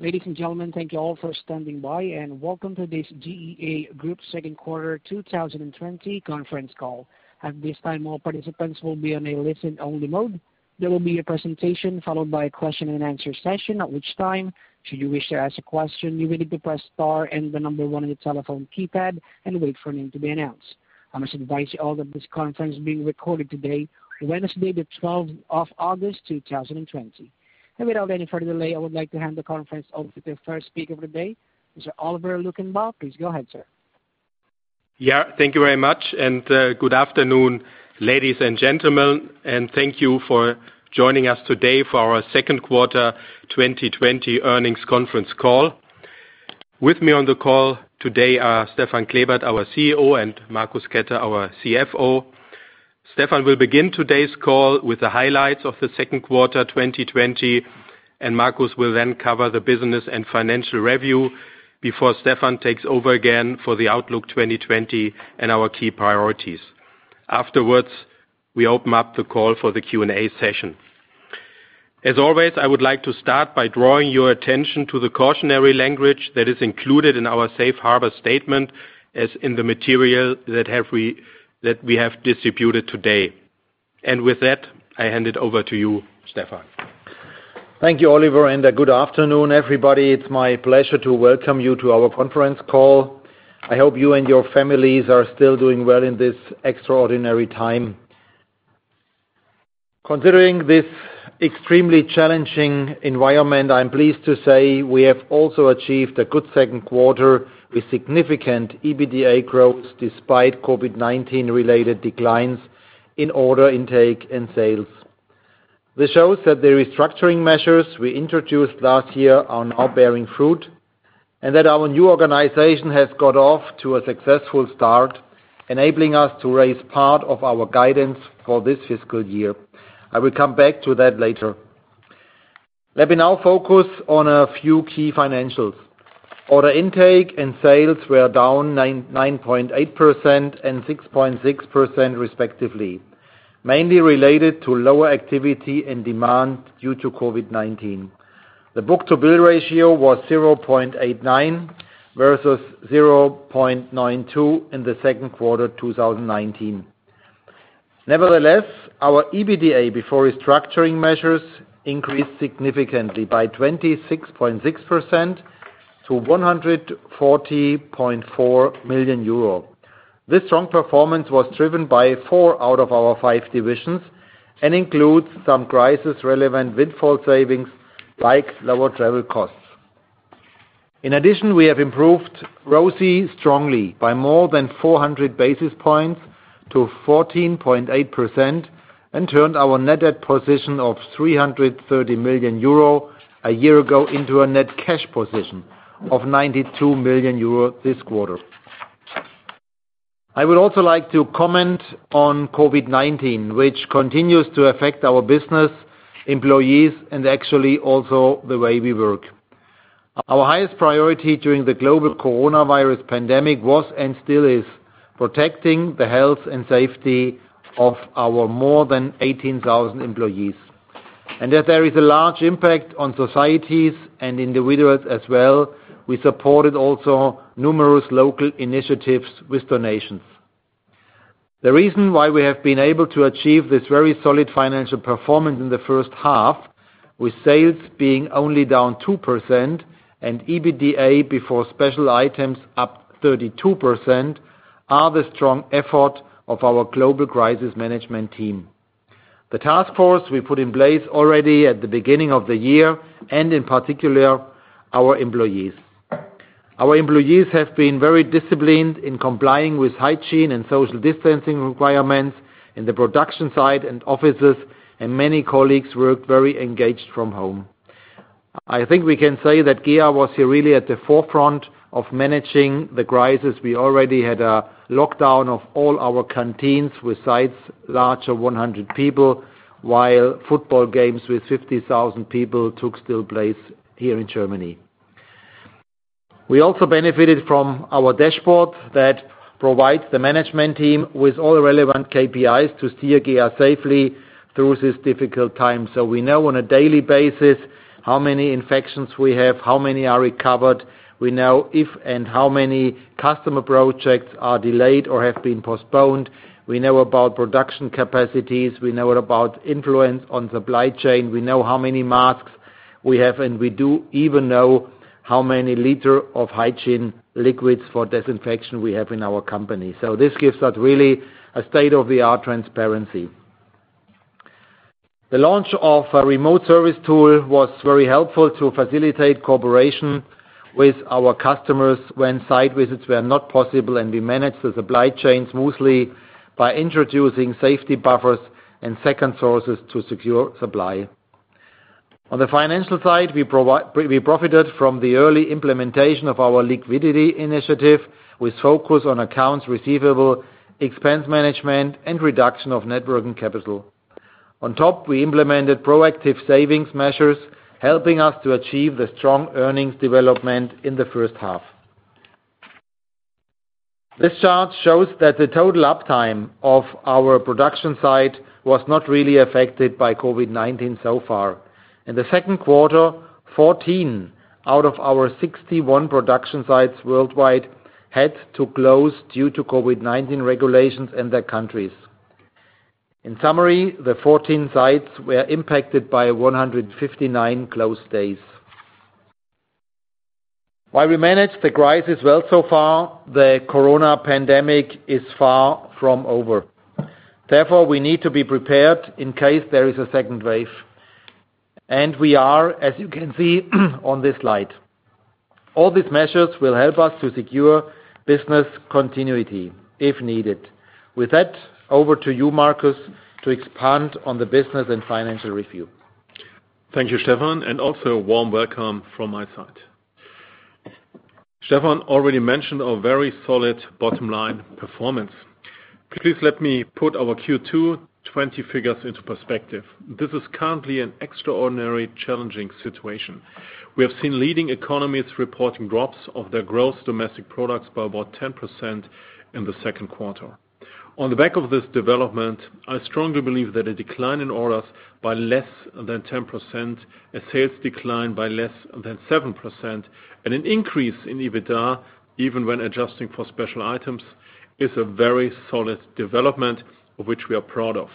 Ladies and gentlemen, thank you all for standing by, and welcome to this GEA Group second quarter 2020 conference call. At this time, all participants will be on a listen-only mode. There will be a presentation followed by a question-and-answer session. At which time, if you wish to ask a question, you need to press star and the number one on your telephone keypad and wait for your name to be announced. I must advise you all that this conference is being recorded today, Wednesday, the 12th of August, 2020. Without any further delay, I would like to hand the conference over to the first speaker of the day, Mr. Oliver Luckenbach. Please go ahead, sir. Thank you very much. Good afternoon, ladies and gentlemen, and thank you for joining us today for our second quarter 2020 earnings conference call. With me on the call today are Stefan Klebert, our CEO, and Marcus Ketter, our CFO. Stefan will begin today's call with the highlights of the second quarter 2020. Marcus will then cover the business and financial review before Stefan takes over again for the outlook 2020 and our key priorities. Afterwards, we open up the call for the Q&A session. As always, I would like to start by drawing your attention to the cautionary language that is included in our safe harbor statement, as in the material that we have distributed today. With that, I hand it over to you, Stefan. Thank you, Oliver, and good afternoon, everybody. It's my pleasure to welcome you to our conference call. I hope you and your families are still doing well in this extraordinary time. Considering this extremely challenging environment, I'm pleased to say we have also achieved a good second quarter with significant EBITDA growth, despite COVID-19-related declines in order intake and sales. This shows that the restructuring measures we introduced last year are now bearing fruit, and that our new organization has got off to a successful start, enabling us to raise part of our guidance for this fiscal year. I will come back to that later. Let me now focus on a few key financials. Order intake and sales were down 9.8% and 6.6% respectively, mainly related to lower activity and demand due to COVID-19. The book-to-bill ratio was 0.89 versus 0.92 in the second quarter 2019. Nevertheless, our EBITDA before restructuring measures increased significantly by 26.6% to 140.4 million euro. This strong performance was driven by four out of our five divisions and includes some crisis-relevant windfall savings, like lower travel costs. In addition, we have improved ROCE strongly by more than 400 basis points to 14.8% and turned our net debt position of 330 million euro a year ago into a net cash position of 92 million euro this quarter. I would also like to comment on COVID-19, which continues to affect our business, employees, and actually also the way we work. Our highest priority during the global coronavirus pandemic was and still is protecting the health and safety of our more than 18,000 employees, and that there is a large impact on societies and individuals as well. We supported also numerous local initiatives with donations. The reason why we have been able to achieve this very solid financial performance in the first half, with sales being only down 2% and EBITDA before special items up 32%, are the strong effort of our global crisis management team, the task force we put in place already at the beginning of the year, and in particular, our employees. Our employees have been very disciplined in complying with hygiene and social distancing requirements in the production site and offices, and many colleagues work very engaged from home. I think we can say that GEA was really at the forefront of managing the crisis. We already had a lockdown of all our canteens with sites larger 100 people, while football games with 50,000 people took still place here in Germany. We also benefited from our dashboard that provides the management team with all relevant KPIs to steer GEA safely through this difficult time. We know on a daily basis how many infections we have, how many are recovered. We know if and how many customer projects are delayed or have been postponed. We know about production capacities, we know about influence on supply chain, we know how many masks we have, and we do even know how many liters of hygiene liquids for disinfection we have in our company. This gives us really a state-of-the-art transparency. The launch of a remote service tool was very helpful to facilitate cooperation with our customers when site visits were not possible, and we managed the supply chain smoothly by introducing safety buffers and second sources to secure supply. On the financial side, we profited from the early implementation of our liquidity initiative with focus on accounts receivable, expense management, and reduction of net working capital. On top, we implemented proactive savings measures, helping us to achieve the strong earnings development in the first half. This chart shows that the total uptime of our production site was not really affected by COVID-19 so far. In the second quarter, 14 out of our 61 production sites worldwide had to close due to COVID-19 regulations in their countries. In summary, the 14 sites were impacted by 159 closed days. While we managed the crisis well so far, the corona pandemic is far from over. Therefore, we need to be prepared in case there is a second wave and we are, as you can see on this slide. All these measures will help us to secure business continuity if needed. With that, over to you, Marcus, to expand on the business and financial review. Thank you, Stefan, and also a warm welcome from my side. Stefan already mentioned our very solid bottom line performance. Please let me put our Q2 2020 figures into perspective. This is currently an extraordinarily challenging situation. We have seen leading economies reporting drops of their gross domestic products by about 10% in the second quarter. On the back of this development, I strongly believe that a decline in orders by less than 10%, a sales decline by less than 7%, and an increase in EBITDA, even when adjusting for special items, is a very solid development of which we are proud of.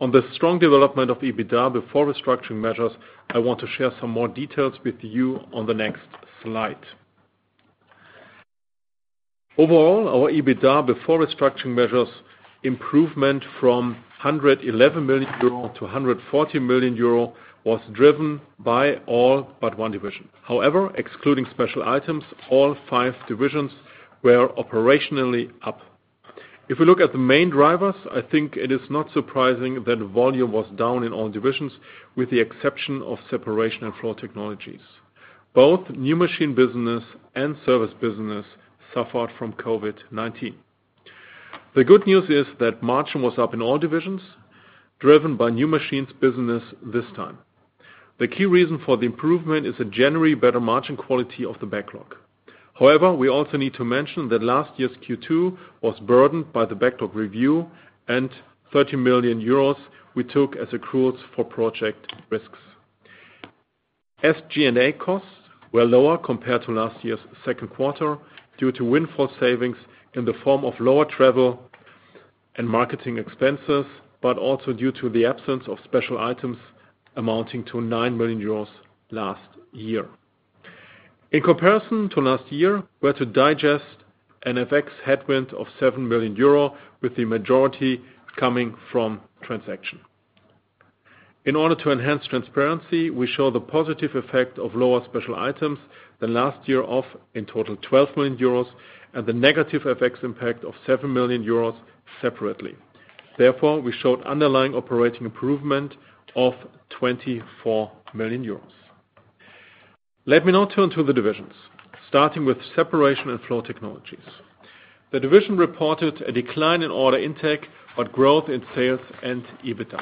On the strong development of EBITDA before restructuring measures, I want to share some more details with you on the next slide. Overall, our EBITDA before restructuring measures improvement from 111 million euro to 140 million euro was driven by all but one division. However, excluding special items, all five divisions were operationally up. If we look at the main drivers, I think it is not surprising that volume was down in all divisions, with the exception of Separation and Flow Technologies. Both new machine business and service business suffered from COVID-19. The good news is that margin was up in all divisions, driven by new machines business this time. The key reason for the improvement is a generally better margin quality of the backlog. However, we also need to mention that last year's Q2 was burdened by the backlog review and 30 million euros we took as accruals for project risks. SG&A costs were lower compared to last year's second quarter due to windfall savings in the form of lower travel and marketing expenses, but also due to the absence of special items amounting to 9 million euros last year. In comparison to last year, we had to digest an FX headwind of 7 million euro, with the majority coming from transaction. In order to enhance transparency, we show the positive effect of lower special items than last year of, in total, +12 million euros and the negative FX impact of -7 million euros separately. We showed underlying operating improvement of 24 million euros. Let me now turn to the divisions, starting with Separation and Flow Technologies. The division reported a decline in order intake, but growth in sales and EBITDA.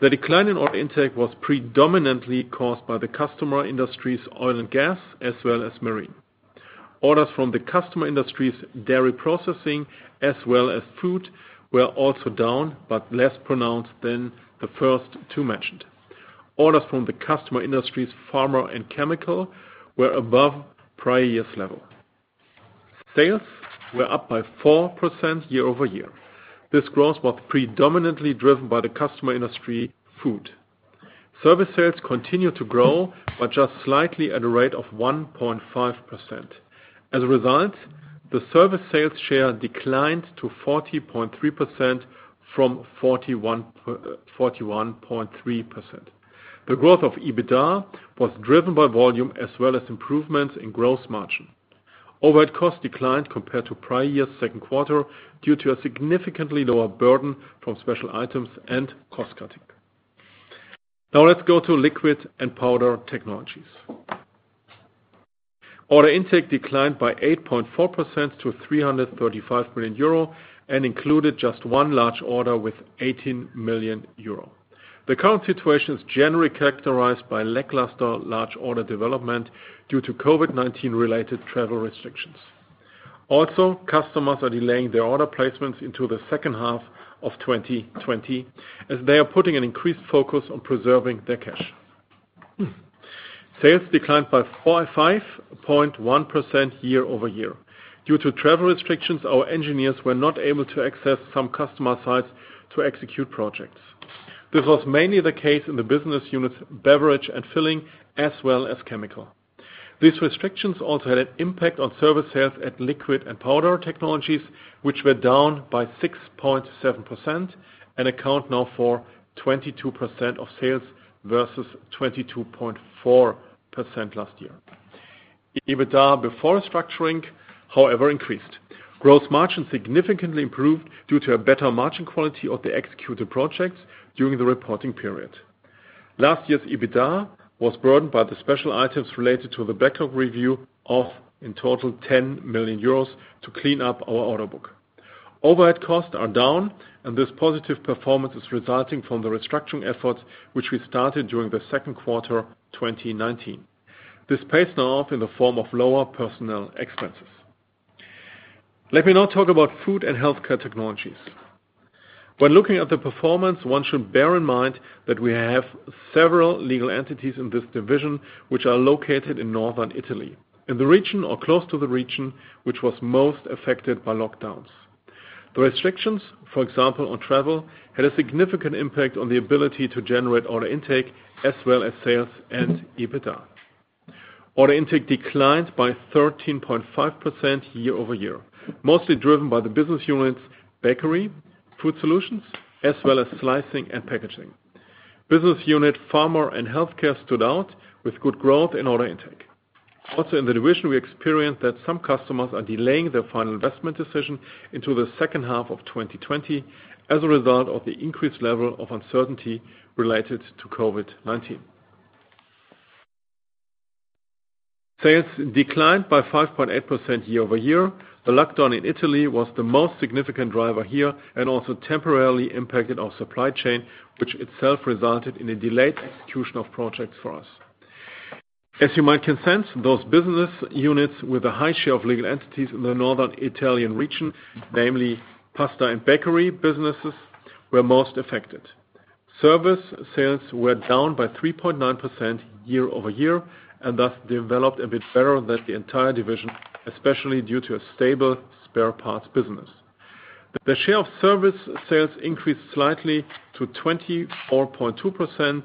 The decline in order intake was predominantly caused by the customer industries oil and gas as well as marine. Orders from the customer industries dairy processing as well as food were also down, but less pronounced than the first two mentioned. Orders from the customer industries pharma and chemical were above prior year's level. Sales were up by 4% year-over-year. This growth was predominantly driven by the customer industry food. Service sales continued to grow, but just slightly at a rate of 1.5%. As a result, the service sales share declined to 40.3% from 41.3%. The growth of EBITDA was driven by volume as well as improvements in gross margin. Overall cost declined compared to prior year's second quarter due to a significantly lower burden from special items and cost cutting. Now let's go to Liquid and Powder Technologies. Order intake declined by 8.4% to 335 million euro and included just one large order with 18 million euro. The current situation is generally characterized by lackluster large order development due to COVID-19 related travel restrictions. Also, customers are delaying their order placements into the second half of 2020, as they are putting an increased focus on preserving their cash. Sales declined by 5.1% year-over-year. Due to travel restrictions, our engineers were not able to access some customer sites to execute projects. This was mainly the case in the business units beverage and filling as well as chemical. These restrictions also had an impact on service sales at Liquid and Powder Technologies, which were down by 6.7% and account now for 22% of sales versus 22.4% last year. EBITDA before restructuring, however, increased. Gross margin significantly improved due to a better margin quality of the executed projects during the reporting period. Last year's EBITDA was burdened by the special items related to the backlog review of, in total, 10 million euros to clean up our order book. Overhead costs are down, and this positive performance is resulting from the restructuring efforts which we started during the second quarter 2019. This pays now off in the form of lower personnel expenses. Let me now talk about Food and Health Technologies. When looking at the performance, one should bear in mind that we have several legal entities in this division, which are located in Northern Italy, in the region or close to the region, which was most affected by lockdowns. The restrictions, for example, on travel, had a significant impact on the ability to generate order intake as well as sales and EBITDA. Order intake declined by 13.5% year-over-year, mostly driven by the business units Bakery, Food Solutions, as well as Slicing & Packaging. Business unit Pharma & Healthcare stood out with good growth in order intake. Also in the division we experienced that some customers are delaying their final investment decision into the second half of 2020 as a result of the increased level of uncertainty related to COVID-19. Sales declined by 5.8% year-over-year. The lockdown in Italy was the most significant driver here and also temporarily impacted our supply chain, which itself resulted in a delayed execution of projects for us. As you might sense, those business units with a high share of legal entities in the northern Italian region, namely pasta and Bakery businesses, were most affected. Service sales were down by 3.9% year-over-year and thus developed a bit better than the entire division, especially due to a stable spare parts business. The share of service sales increased slightly to 24.2%,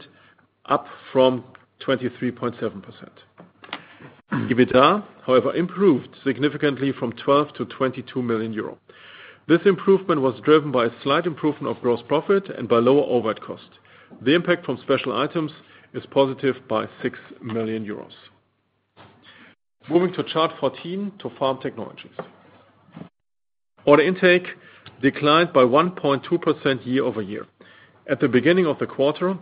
up from 23.7%. EBITDA, however, improved significantly from 12 million to 22 million euro. This improvement was driven by a slight improvement of gross profit and by lower overhead costs. The impact from special items is positive by 6 million euros. Moving to chart 14 to Farm Technologies. Order intake declined by 1.2% year-over-year. At the beginning of the quarter,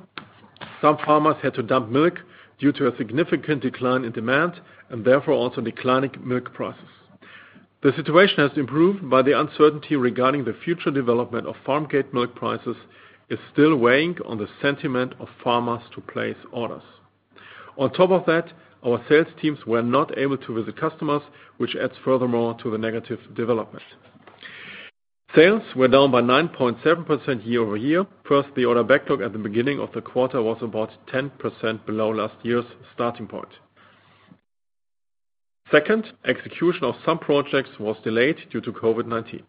some farmers had to dump milk due to a significant decline in demand and therefore also declining milk prices. The situation has improved, the uncertainty regarding the future development of farm-gate milk prices is still weighing on the sentiment of farmers to place orders. On top of that, our sales teams were not able to visit customers, which adds furthermore to the negative development. Sales were down by 9.7% year-over-year. First, the order backlog at the beginning of the quarter was about 10% below last year's starting point. Second, execution of some projects was delayed due to COVID-19.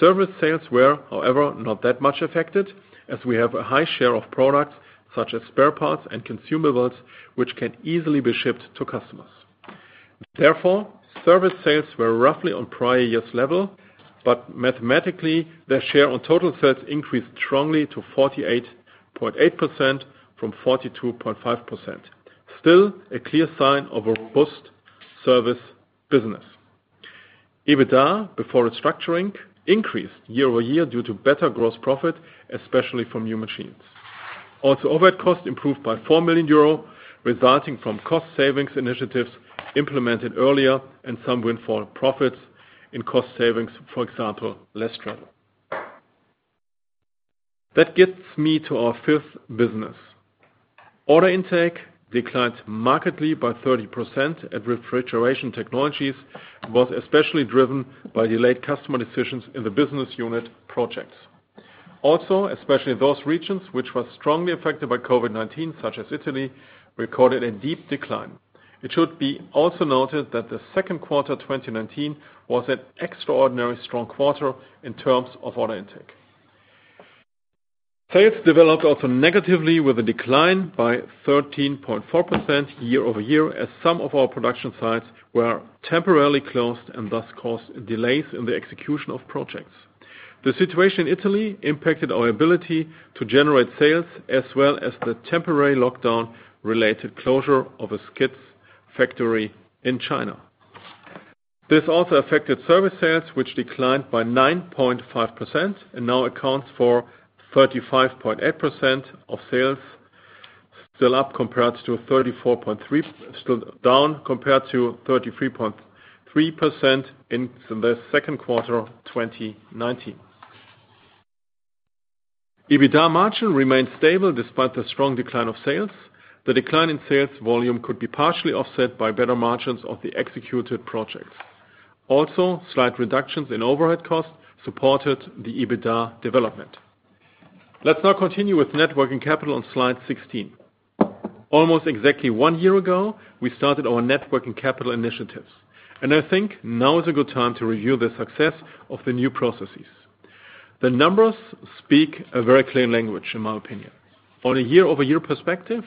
Service sales were, however, not that much affected as we have a high share of products such as spare parts and consumables, which can easily be shipped to customers. Therefore, service sales were roughly on prior year's level, but mathematically, their share on total sales increased strongly to 48.8% from 42.5%. Still a clear sign of a robust service business. EBITDA before restructuring increased year-over-year due to better gross profit, especially from new machines. Overhead costs improved by 4 million euro, resulting from cost savings initiatives implemented earlier and some windfall profits in cost savings, for example, less travel. That gets me to our fifth business. Order intake declined markedly by 30% at Refrigeration Technologies, was especially driven by delayed customer decisions in the business unit projects. Especially those regions which were strongly affected by COVID-19, such as Italy, recorded a deep decline. It should be also noted that the second quarter 2019 was an extraordinarily strong quarter in terms of order intake. Sales developed often negatively with a decline by 13.4% year-over-year as some of our production sites were temporarily closed and thus caused delays in the execution of projects. The situation in Italy impacted our ability to generate sales as well as the temporary lockdown related closure of a skids factory in China. This also affected service sales, which declined by 9.5% and now accounts for 35.8% of sales, still down compared to 33.3% in the second quarter of 2019. EBITDA margin remained stable despite the strong decline of sales. The decline in sales volume could be partially offset by better margins of the executed projects. Also, slight reductions in overhead costs supported the EBITDA development. Let's now continue with net working capital on slide 16. Almost exactly one year ago, we started our net working capital initiatives, and I think now is a good time to review the success of the new processes. The numbers speak a very clear language, in my opinion. On a year-over-year perspective,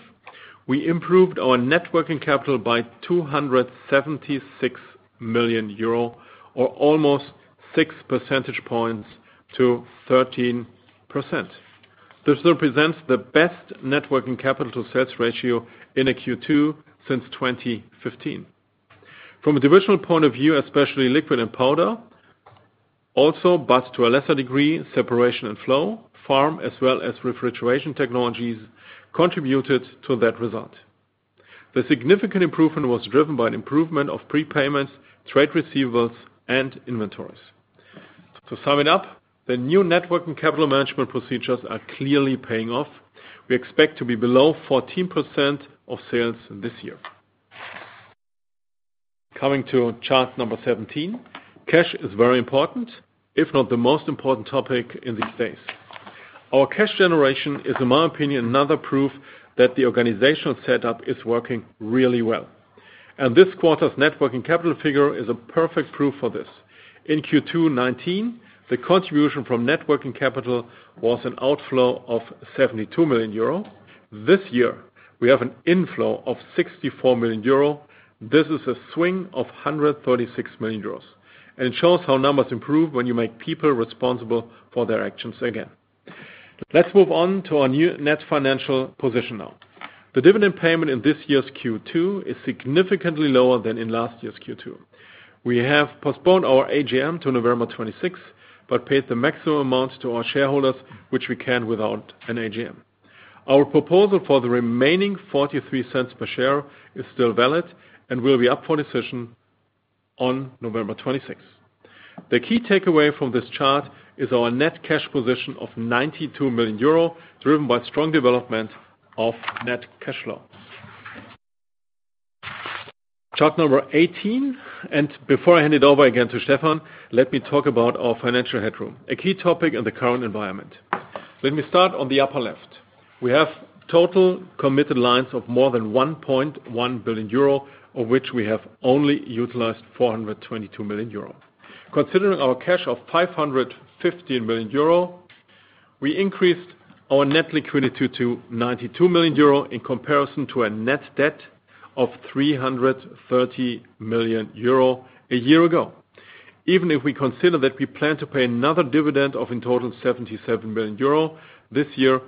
we improved our net working capital by 276 million euro or almost 6 percentage points to 13%. This represents the best net working capital to sales ratio in a Q2 since 2015. From a divisional point of view, especially Liquid and Powder also, but to a lesser degree, Separation and Flow, Farm, as well as Refrigeration Technologies contributed to that result. The significant improvement was driven by an improvement of prepayments, trade receivables, and inventories. To sum it up, the new net working capital management procedures are clearly paying off. We expect to be below 14% of sales this year. Coming to chart number 17. Cash is very important, if not the most important topic in these days. Our cash generation is, in my opinion, another proof that the organizational setup is working really well. This quarter's net working capital figure is a perfect proof of this. In Q2 2019, the contribution from net working capital was an outflow of 72 million euro. This year, we have an inflow of 64 million euro. This is a swing of 136 million euros, and it shows how numbers improve when you make people responsible for their actions again. Let's move on to our new net financial position now. The dividend payment in this year's Q2 is significantly lower than in last year's Q2. We have postponed our AGM to November 26th, but paid the maximum amount to our shareholders, which we can without an AGM. Our proposal for the remaining 0.43 per share is still valid and will be up for decision on November 26th. The key takeaway from this chart is our net cash position of 92 million euro, driven by strong development of net cash flow. Chart number 18. Before I hand it over again to Stefan, let me talk about our financial headroom, a key topic in the current environment. Let me start on the upper left. We have total committed lines of more than 1.1 billion euro, of which we have only utilized 422 million euro. Considering our cash of 515 million euro, we increased our net liquidity to 92 million euro in comparison to a net debt of 330 million euro a year ago. Even if we consider that we plan to pay another dividend of, in total, 77 million euro this year,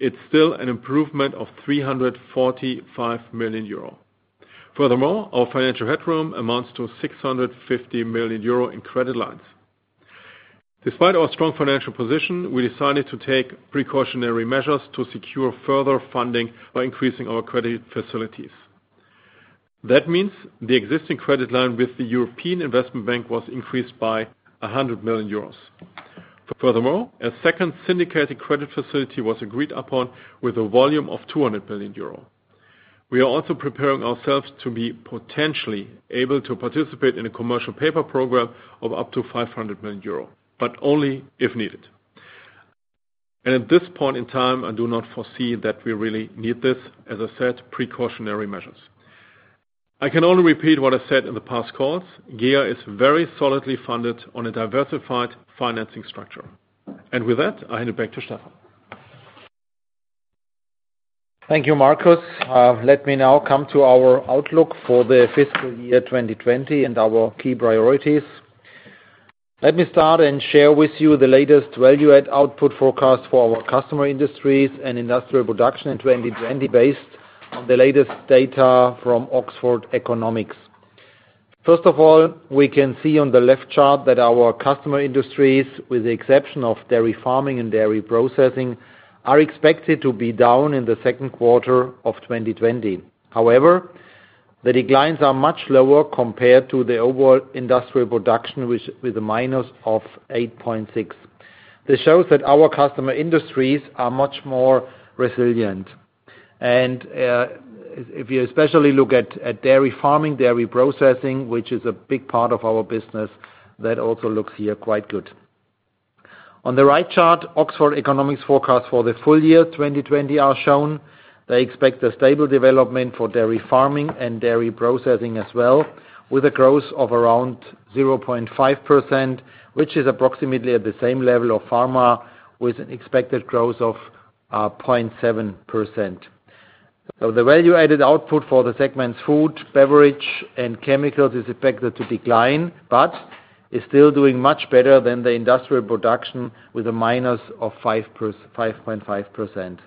it's still an improvement of 345 million euro. Furthermore, our financial headroom amounts to 650 million euro in credit lines. Despite our strong financial position, we decided to take precautionary measures to secure further funding by increasing our credit facilities. That means the existing credit line with the European Investment Bank was increased by 100 million euros. Furthermore, a second syndicated credit facility was agreed upon with a volume of 200 million euro. We are also preparing ourselves to be potentially able to participate in a commercial paper program of up to 500 million euro, but only if needed. At this point in time, I do not foresee that we really need this. As I said, precautionary measures. I can only repeat what I said in the past calls. GEA is very solidly funded on a diversified financing structure. With that, I hand it back to Stefan. Thank you, Marcus. Let me now come to our outlook for the fiscal year 2020 and our key priorities. Let me start and share with you the latest value add output forecast for our customer industries and industrial production in 2020 based on the latest data from Oxford Economics. First of all, we can see on the left chart that our customer industries, with the exception of dairy farming and dairy processing, are expected to be down in the second quarter of 2020. The declines are much lower compared to the overall industrial production, with a minus of 8.6%. This shows that our customer industries are much more resilient. If you especially look at dairy farming, dairy processing, which is a big part of our business, that also looks quite good here. On the right chart, Oxford Economics forecasts for the full year 2020 are shown. They expect a stable development for dairy farming and dairy processing as well, with a growth of around 0.5%, which is approximately at the same level of Pharma, with an expected growth of 0.7%. The value-added output for the segments food, beverage, and chemicals is expected to decline, but is still doing much better than the industrial production, with a minus of 5.5%.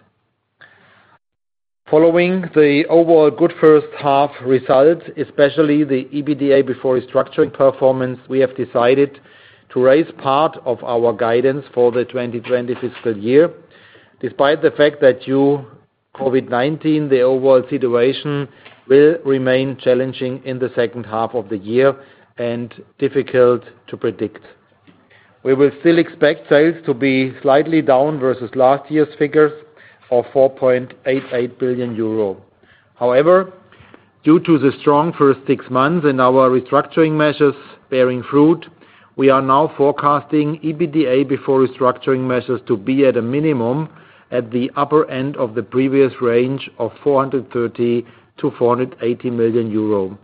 Following the overall good first half results, especially the EBITDA before restructuring performance, we have decided to raise part of our guidance for the 2020 fiscal year. Despite the fact that due COVID-19, the overall situation will remain challenging in the second half of the year and difficult to predict. We will still expect sales to be slightly down versus last year's figures of 4.88 billion euro. However, due to the strong first six months and our restructuring measures bearing fruit, we are now forecasting EBITDA before restructuring measures to be at a minimum at the upper end of the previous range of 430 million-480 million euro.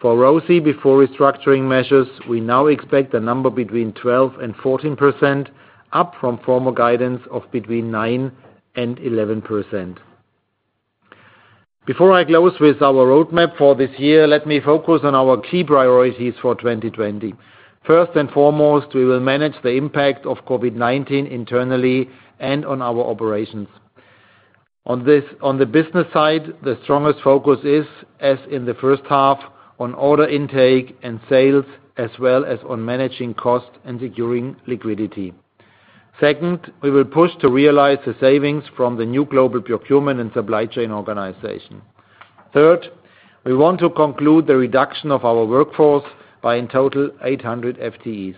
For ROCE before restructuring measures, we now expect a number between 12% and 14%, up from former guidance of between 9% and 11%. Before I close with our roadmap for this year, let me focus on our key priorities for 2020. First and foremost, we will manage the impact of COVID-19 internally and on our operations. On the business side, the strongest focus is, as in the first half, on order intake and sales, as well as on managing cost and securing liquidity. Second, we will push to realize the savings from the new global procurement and supply chain organization. Third, we want to conclude the reduction of our workforce by in total 800 FTEs.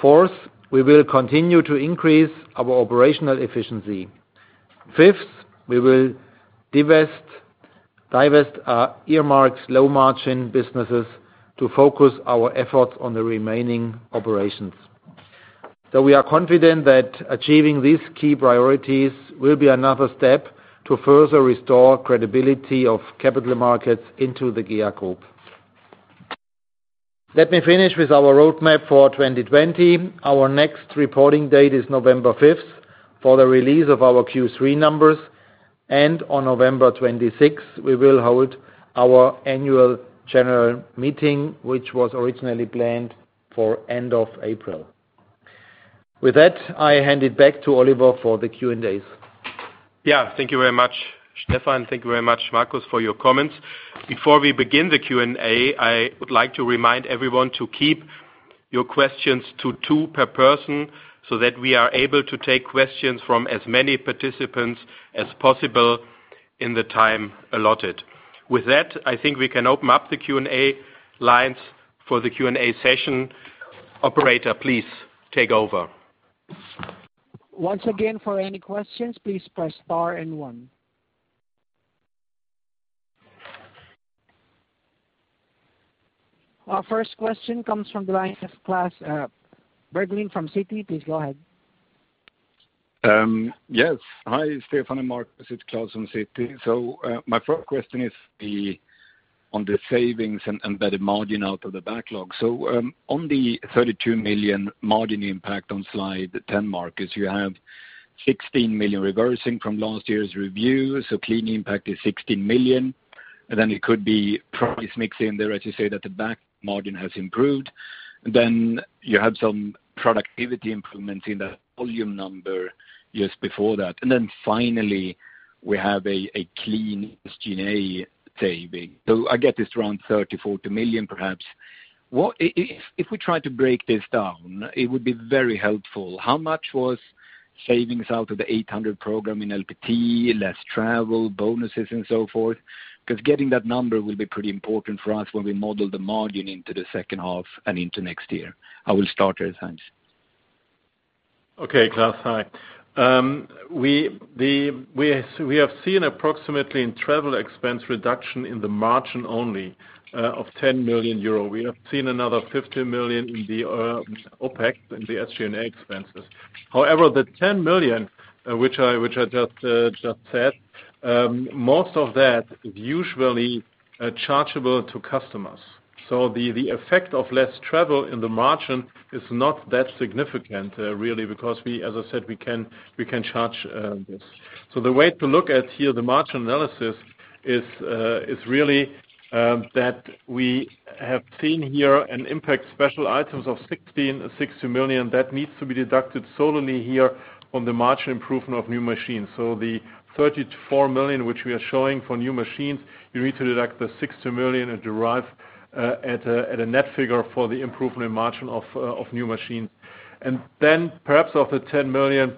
Fourth, we will continue to increase our operational efficiency. Fifth, we will divest our earmarked low-margin businesses to focus our efforts on the remaining operations. We are confident that achieving these key priorities will be another step to further restore credibility of capital markets into the GEA Group. Let me finish with our roadmap for 2020. Our next reporting date is November 5th for the release of our Q3 numbers, and on November 26th, we will hold our annual general meeting, which was originally planned for end of April. With that, I hand it back to Oliver for the Q&As. Yeah. Thank you very much, Stefan. Thank you very much, Marcus, for your comments. Before we begin the Q&A, I would like to remind everyone to keep your questions to two per person so that we are able to take questions from as many participants as possible in the time allotted. With that, I think we can open up the Q&A lines for the Q&A session. Operator, please take over. Once again, for any questions, please press star and one. Our first question comes from the line of Klas Bergelind from Citi. Please go ahead. Yes. Hi, Stefan and Marcus. It's Klas from Citi. My first question is on the savings and embedded margin out of the backlog. On the 32 million margin impact on slide 10, Marcus, you have 16 million reversing from last year's review, clean impact is 16 million. It could be price mix in there as you say that the back margin has improved. You have some productivity improvements in that volume number years before that. Finally, we have a clean SG&A saving. I get it's around 30 million-40 million perhaps. If we try to break this down, it would be very helpful. How much was savings out of the 800 program in LPT, less travel, bonuses, and so forth? Getting that number will be pretty important for us when we model the margin into the second half and into next year. I will start there, thanks. Okay. Klas. Hi. We have seen approximately in travel expense reduction in the margin only of 10 million euro. We have seen another 15 million in the OpEx, in the SG&A expenses. The 10 million, which I just said, most of that is usually chargeable to customers. The effect of less travel in the margin is not that significant, really, because as I said, we can charge this. The way to look at here the margin analysis is really that we have seen here an impact special items of 16 million that needs to be deducted solely here on the margin improvement of new machines. The 34 million, which we are showing for new machines, you need to deduct the 16 million and derive at a net figure for the improvement margin of new machines. Perhaps of the 10 million,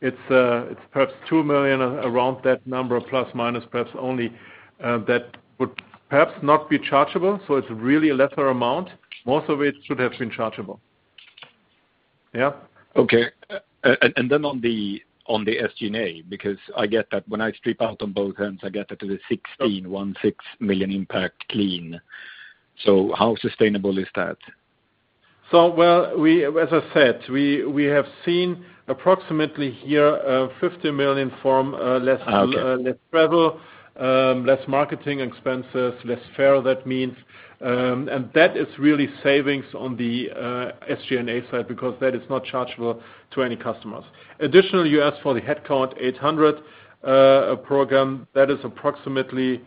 it's perhaps 2 million around that number, plus minus, perhaps only, that would perhaps not be chargeable. It's really a lesser amount. Most of it should have been chargeable. Yeah. Okay. On the SG&A. I get that when I strip out on both ends, I get that to the 16 million impact clean. How sustainable is that? As I said, we have seen approximately here, 15 million from- Okay. less travel, less marketing expenses, less [FTEs] that means. That is really savings on the SG&A side because that is not chargeable to any customers. Additionally, you asked for the headcount 800 program. That is approximately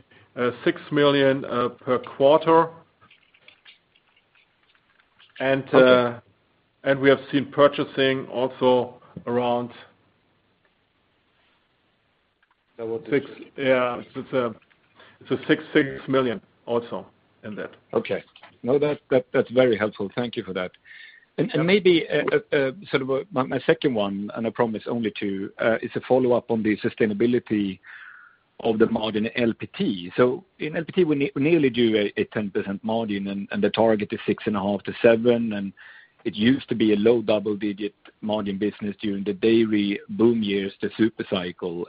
6 million per quarter. Okay. We have seen purchasing also around 6 million also in that. Okay. No, that's very helpful. Thank you for that. Maybe my second one, and I promise only two, is a follow-up on the sustainability of the margin LPT. In LPT, we nearly do a 10% margin and the target is 6.5%-7%, and it used to be a low double-digit margin business during the dairy boom years, the super cycle.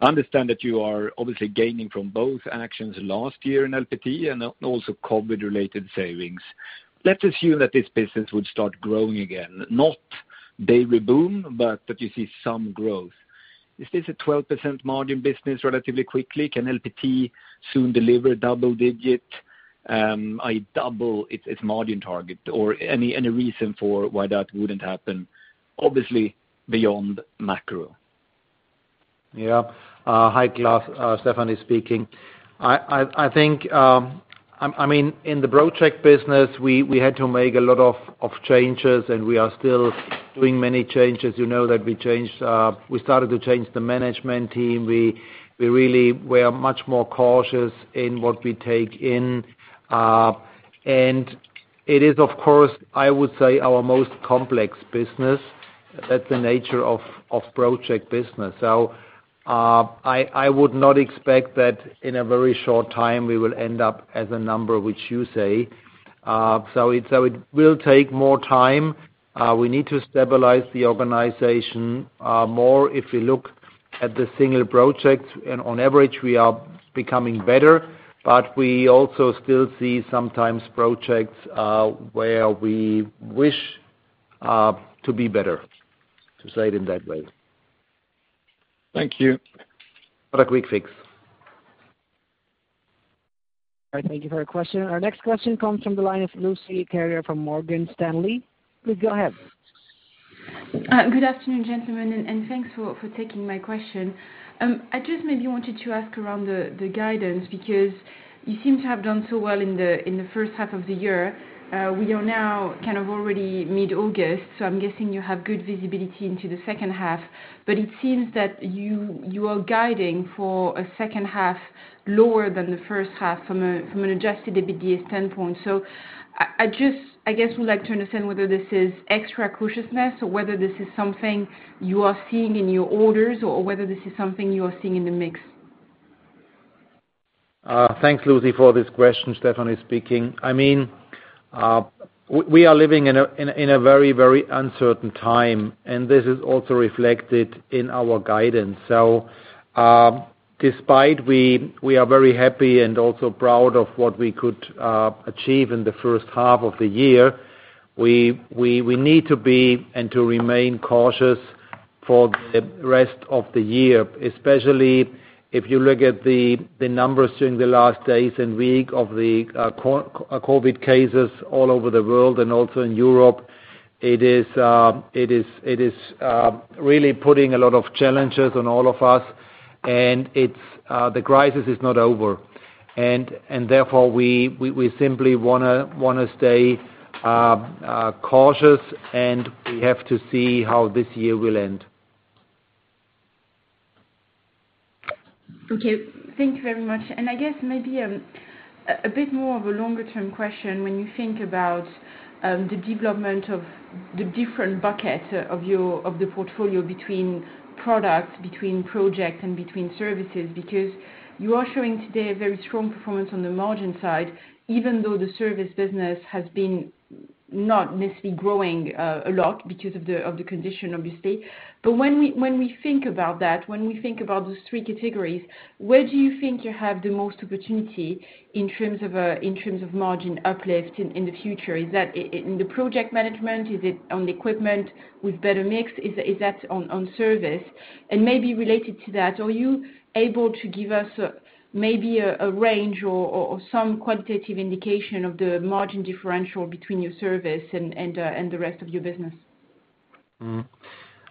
I understand that you are obviously gaining from both actions last year in LPT and also COVID-related savings. Let's assume that this business would start growing again. Not dairy boom, but that you see some growth. Is this a 12% margin business relatively quickly? Can LPT soon deliver double its margin target? Any reason for why that wouldn't happen, obviously beyond macro? Hi, Klas. Stefan is speaking. In the project business, we had to make a lot of changes, and we are still doing many changes. You know that we started to change the management team. We are much more cautious in what we take in. It is, of course, I would say our most complex business. That's the nature of project business. I would not expect that in a very short time we will end up as a number which you say. It will take more time. We need to stabilize the organization more. If we look at the single projects, and on average we are becoming better, but we also still see sometimes projects where we wish to be better, to say it in that way. Thank you. Not a quick fix. All right. Thank you for your question. Our next question comes from the line of Lucie Carrier from Morgan Stanley. Please go ahead. Good afternoon, gentlemen. Thanks for taking my question. I just maybe wanted to ask around the guidance. You seem to have done so well in the first half of the year. We are now kind of already mid-August. I'm guessing you have good visibility into the second half. It seems that you are guiding for a second half lower than the first half from an adjusted EBITDA standpoint. I guess we'd like to understand whether this is extra cautiousness or whether this is something you are seeing in your orders, or whether this is something you are seeing in the mix. Thanks, Lucie, for this question. Stefan is speaking. We are living in a very uncertain time. This is also reflected in our guidance. Despite we are very happy and also proud of what we could achieve in the first half of the year, we need to be and to remain cautious for the rest of the year. Especially if you look at the numbers during the last days and week of the COVID cases all over the world and also in Europe. It is really putting a lot of challenges on all of us. The crisis is not over. Therefore, we simply want to stay cautious. We have to see how this year will end. Okay. Thank you very much. I guess maybe a bit more of a longer-term question, when you think about the development of the different buckets of the portfolio between products, between projects, and between services. You are showing today a very strong performance on the margin side, even though the service business has been not necessarily growing a lot because of the condition, obviously. When we think about that, when we think about those three categories, where do you think you have the most opportunity in terms of margin uplift in the future? Is that in the project management? Is it on the equipment with better mix? Is that on service? Maybe related to that, are you able to give us maybe a range or some quantitative indication of the margin differential between your service and the rest of your business?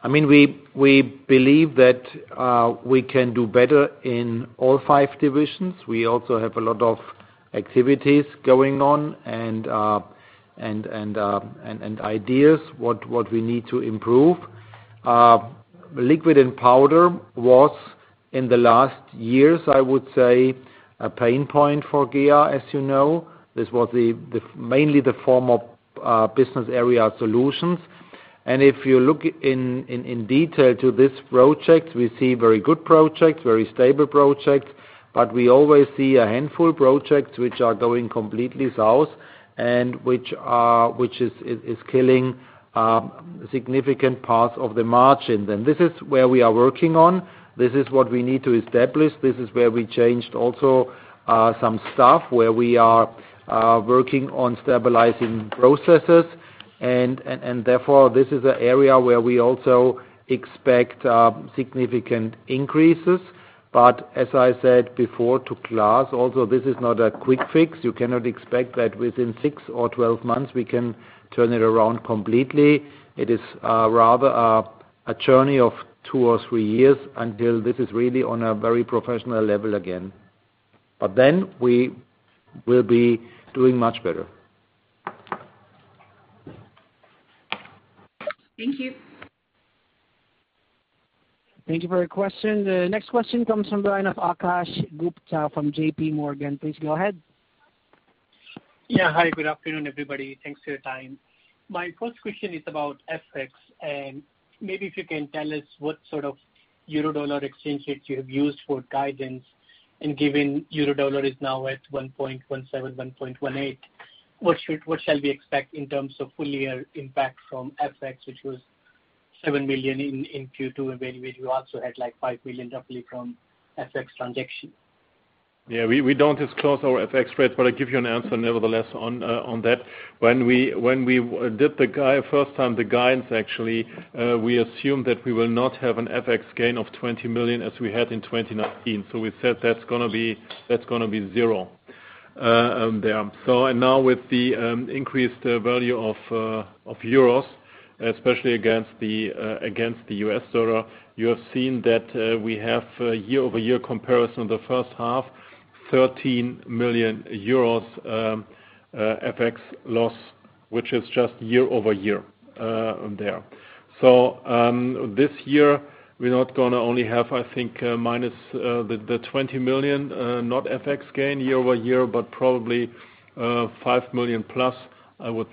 We believe that we can do better in all five divisions. We also have a lot of activities going on and ideas what we need to improve. Liquid and Powder was in the last years, I would say, a pain point for GEA, as you know. This was mainly the former Business Area Solutions. If you look in detail to this project, we see very good projects, very stable projects. We always see a handful projects which are going completely south and which is killing significant parts of the margin. This is where we are working on. This is what we need to establish. This is where we changed also some stuff where we are working on stabilizing processes. Therefore, this is an area where we also expect significant increases. As I said before to Klas also, this is not a quick fix. You cannot expect that within 6 or 12 months we can turn it around completely. It is rather a journey of two or three years until this is really on a very professional level again. We will be doing much better. Thank you. Thank you for your question. The next question comes from the line of Akash Gupta from JPMorgan. Please go ahead. Yeah. Hi. Good afternoon, everybody. Thanks for your time. My first question is about FX, and maybe if you can tell us what sort of euro dollar exchange rate you have used for guidance. Given euro dollar is now at 1.17, 1.18, what shall we expect in terms of full year impact from FX, which was 7 million in Q2, where you also had 5 million roughly from FX transaction? Yeah, we don't disclose our FX rate, I give you an answer nevertheless on that. When we did the first time the guidance, actually, we assumed that we will not have an FX gain of 20 million as we had in 2019. We said that's going to be zero there. Now with the increased value of euros, especially against the U.S. dollar, you have seen that we have year-over-year comparison in the first half 13 million euros FX loss, which is just year-over-year there. This year we're not going to only have, I think, minus the 20 million, not FX gain year-over-year, but probably 5 million+, I would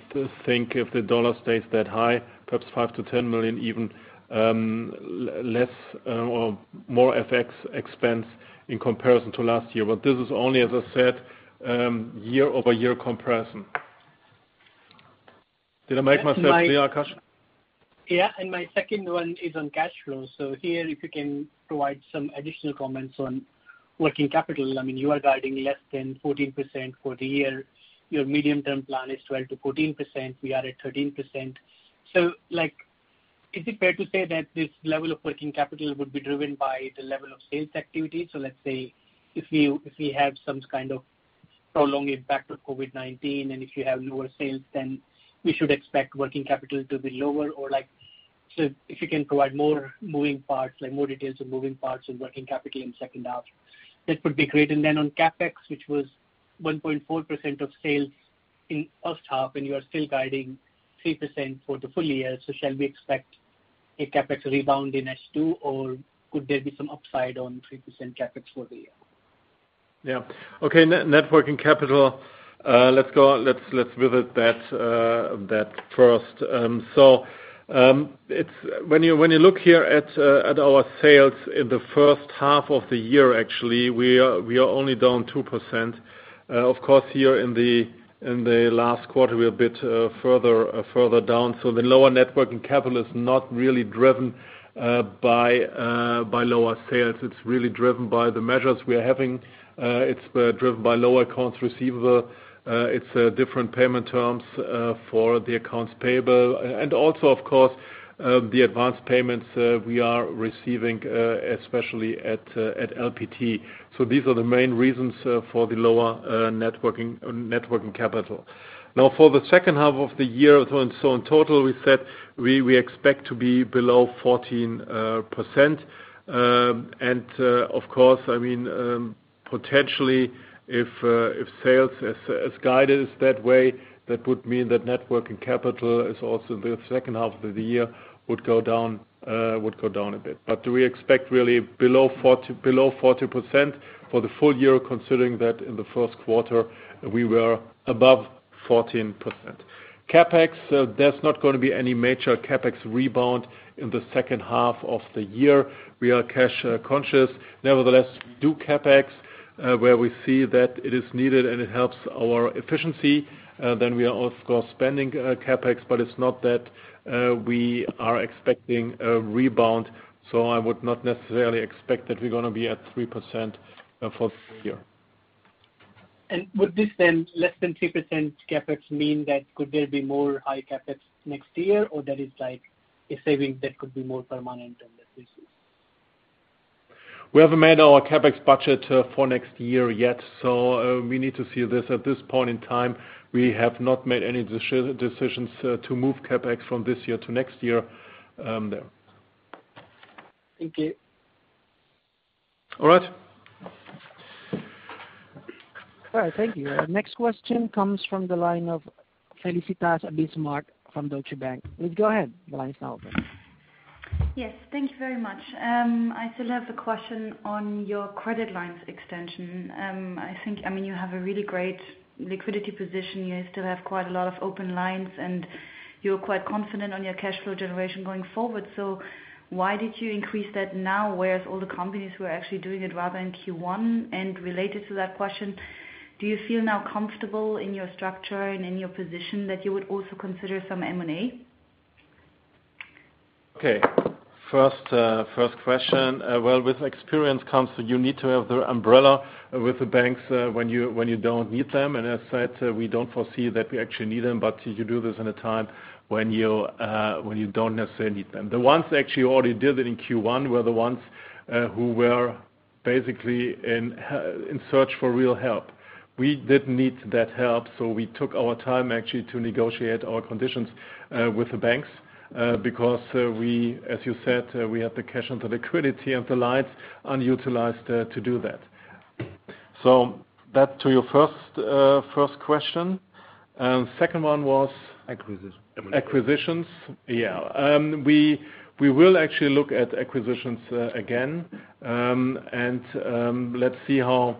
think if the U.S. dollar stays that high. Perhaps 5 million-10 million even less or more FX expense in comparison to last year. This is only, as I said, year-over-year comparison. Did I make myself clear, Akash? Yeah. My second one is on cash flow. Here, if you can provide some additional comments on working capital. You are guiding less than 14% for the year. Your medium-term plan is 12%-14%. We are at 13%. Is it fair to say that this level of working capital would be driven by the level of sales activity? Let's say if we have some kind of prolonged impact of COVID-19, and if you have lower sales, then we should expect working capital to be lower? If you can provide more moving parts, more details of moving parts and working capital in the second half, that would be great. Then on CapEx, which was 1.4% of sales in first half, and you are still guiding 3% for the full year. Shall we expect a CapEx rebound in H2, or could there be some upside on 3% CapEx for the year? Yeah. Okay, net working capital. Let's revisit that first. When you look here at our sales in the first half of the year, actually, we are only down 2%. Of course, here in the last quarter, we are a bit further down. The lower net working capital is not really driven by lower sales. It's really driven by the measures we are having. It's driven by lower accounts receivable. It's different payment terms for the accounts payable. Also, of course, the advanced payments we are receiving, especially at LPT. These are the main reasons for the lower net working capital. Now, for the second half of the year and so on, total, we said we expect to be below 14%. Of course, potentially, if sales is guided that way, that would mean that net working capital is also the second half of the year would go down a bit. We expect really below 40% for the full year, considering that in the first quarter we were above 14%. CapEx, there's not going to be any major CapEx rebound in the second half of the year. We are cash conscious. Nevertheless, we do CapEx where we see that it is needed, and it helps our efficiency. We are, of course, spending CapEx, but it's not that we are expecting a rebound. I would not necessarily expect that we're going to be at 3% for the full year. Would this then, less than 3% CapEx mean that could there be more high CapEx next year? Or that is a saving that could be more permanent than this is? We haven't made our CapEx budget for next year yet. We need to see this. At this point in time, we have not made any decisions to move CapEx from this year to next year there. Thank you. All right. All right. Thank you. Next question comes from the line of Felicitas von Bismarck from Deutsche Bank. Yes. Thank you very much. I still have a question on your credit lines extension. I think you have a really great liquidity position. You still have quite a lot of open lines, and you're quite confident on your cash flow generation going forward. Why did you increase that now, whereas all the companies were actually doing it rather in Q1? Related to that question, do you feel now comfortable in your structure and in your position that you would also consider some M&A? Okay. First question. Well, with experience comes you need to have the umbrella with the banks when you don't need them. As I said, we don't foresee that we actually need them, but you do this in a time when you don't necessarily need them. The ones that actually already did it in Q1 were the ones who were basically in search for real help. We didn't need that help, so we took our time actually to negotiate our conditions with the banks, because as you said, we have the cash and the liquidity and the lines unutilized to do that. That to your first question. Second one was? Acquisitions. M&A. Acquisitions. Yeah. We will actually look at acquisitions again. Let's see how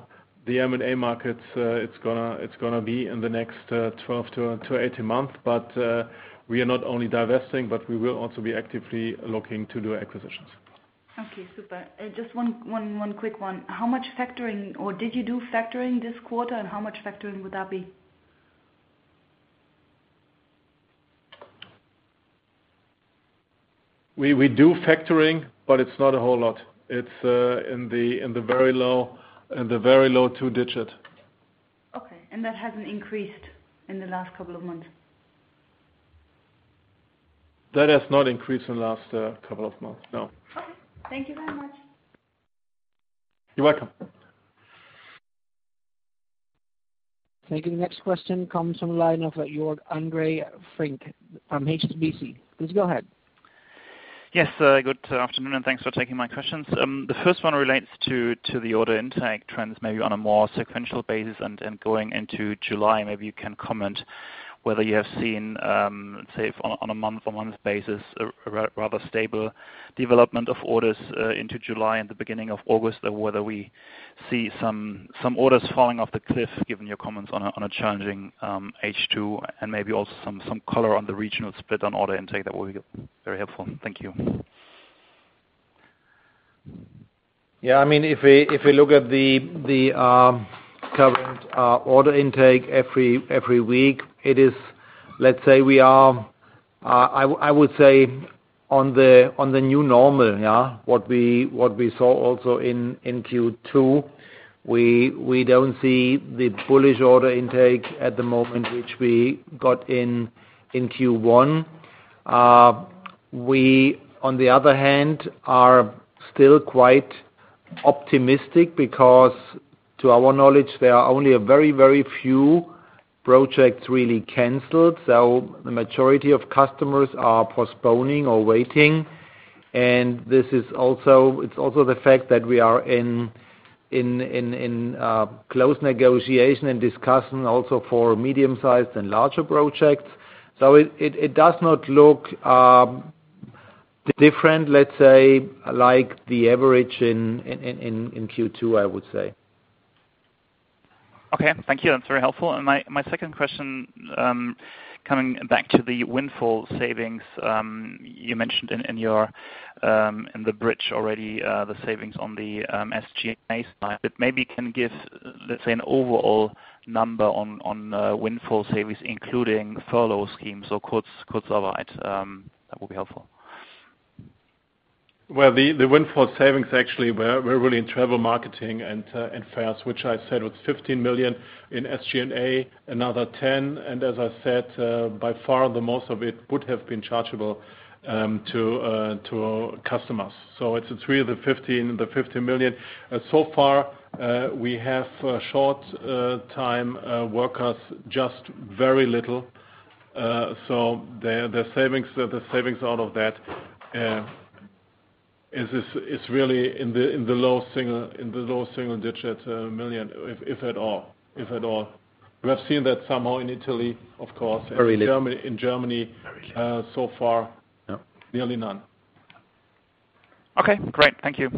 the M&A markets it's going to be in the next 12 to 18 months. We are not only divesting, but we will also be actively looking to do acquisitions. Okay, super. Just one quick one. How much factoring, or did you do factoring this quarter, and how much factoring would that be? We do factoring, but it's not a whole lot. It's in the very low two digit. Okay. That hasn't increased in the last couple of months? That has not increased in the last couple of months, no. Okay. Thank you very much. You're welcome. Thank you. The next question comes from the line of Jörg-André Finke from HSBC. Please go ahead. Yes, good afternoon, thanks for taking my questions. The first one relates to the order intake trends, maybe on a more sequential basis and going into July. Maybe you can comment whether you have seen, let's say, on a month-on-month basis, a rather stable development of orders into July and the beginning of August, or whether we see some orders falling off the cliff, given your comments on a challenging H2, and maybe also some color on the regional split on order intake. That will be very helpful. Thank you. Yeah. If we look at the current order intake every week, I would say we are on the new normal. What we saw also in Q2, we do not see the bullish order intake at the moment, which we got in Q1. We, on the other hand, are still quite optimistic because, to our knowledge, there are only a very few projects really canceled. The majority of customers are postponing or waiting. It is also the fact that we are in close negotiation and discussion also for medium-sized and larger projects. It does not look different, let us say, like the average in Q2, I would say. Okay. Thank you. That's very helpful. My second question, coming back to the windfall savings you mentioned in the bridge already, the savings on the SG&A side, but maybe you can give, let's say, an overall number on windfall savings, including furlough schemes or Kurzarbeit. That would be helpful. Well, the windfall savings actually were really in travel, marketing, and fairs, which I said was 15 million in SG&A, another 10 million, and as I said, by far, the most of it would have been chargeable to our customers. It's 3 million of the 15 million. Far, we have short-time workers just very little. The savings out of that is really in the low single-digit million, if at all. We have seen that somehow in Italy, of course. Very little. In Germany. Very little. so far, nearly none. Okay, great. Thank you.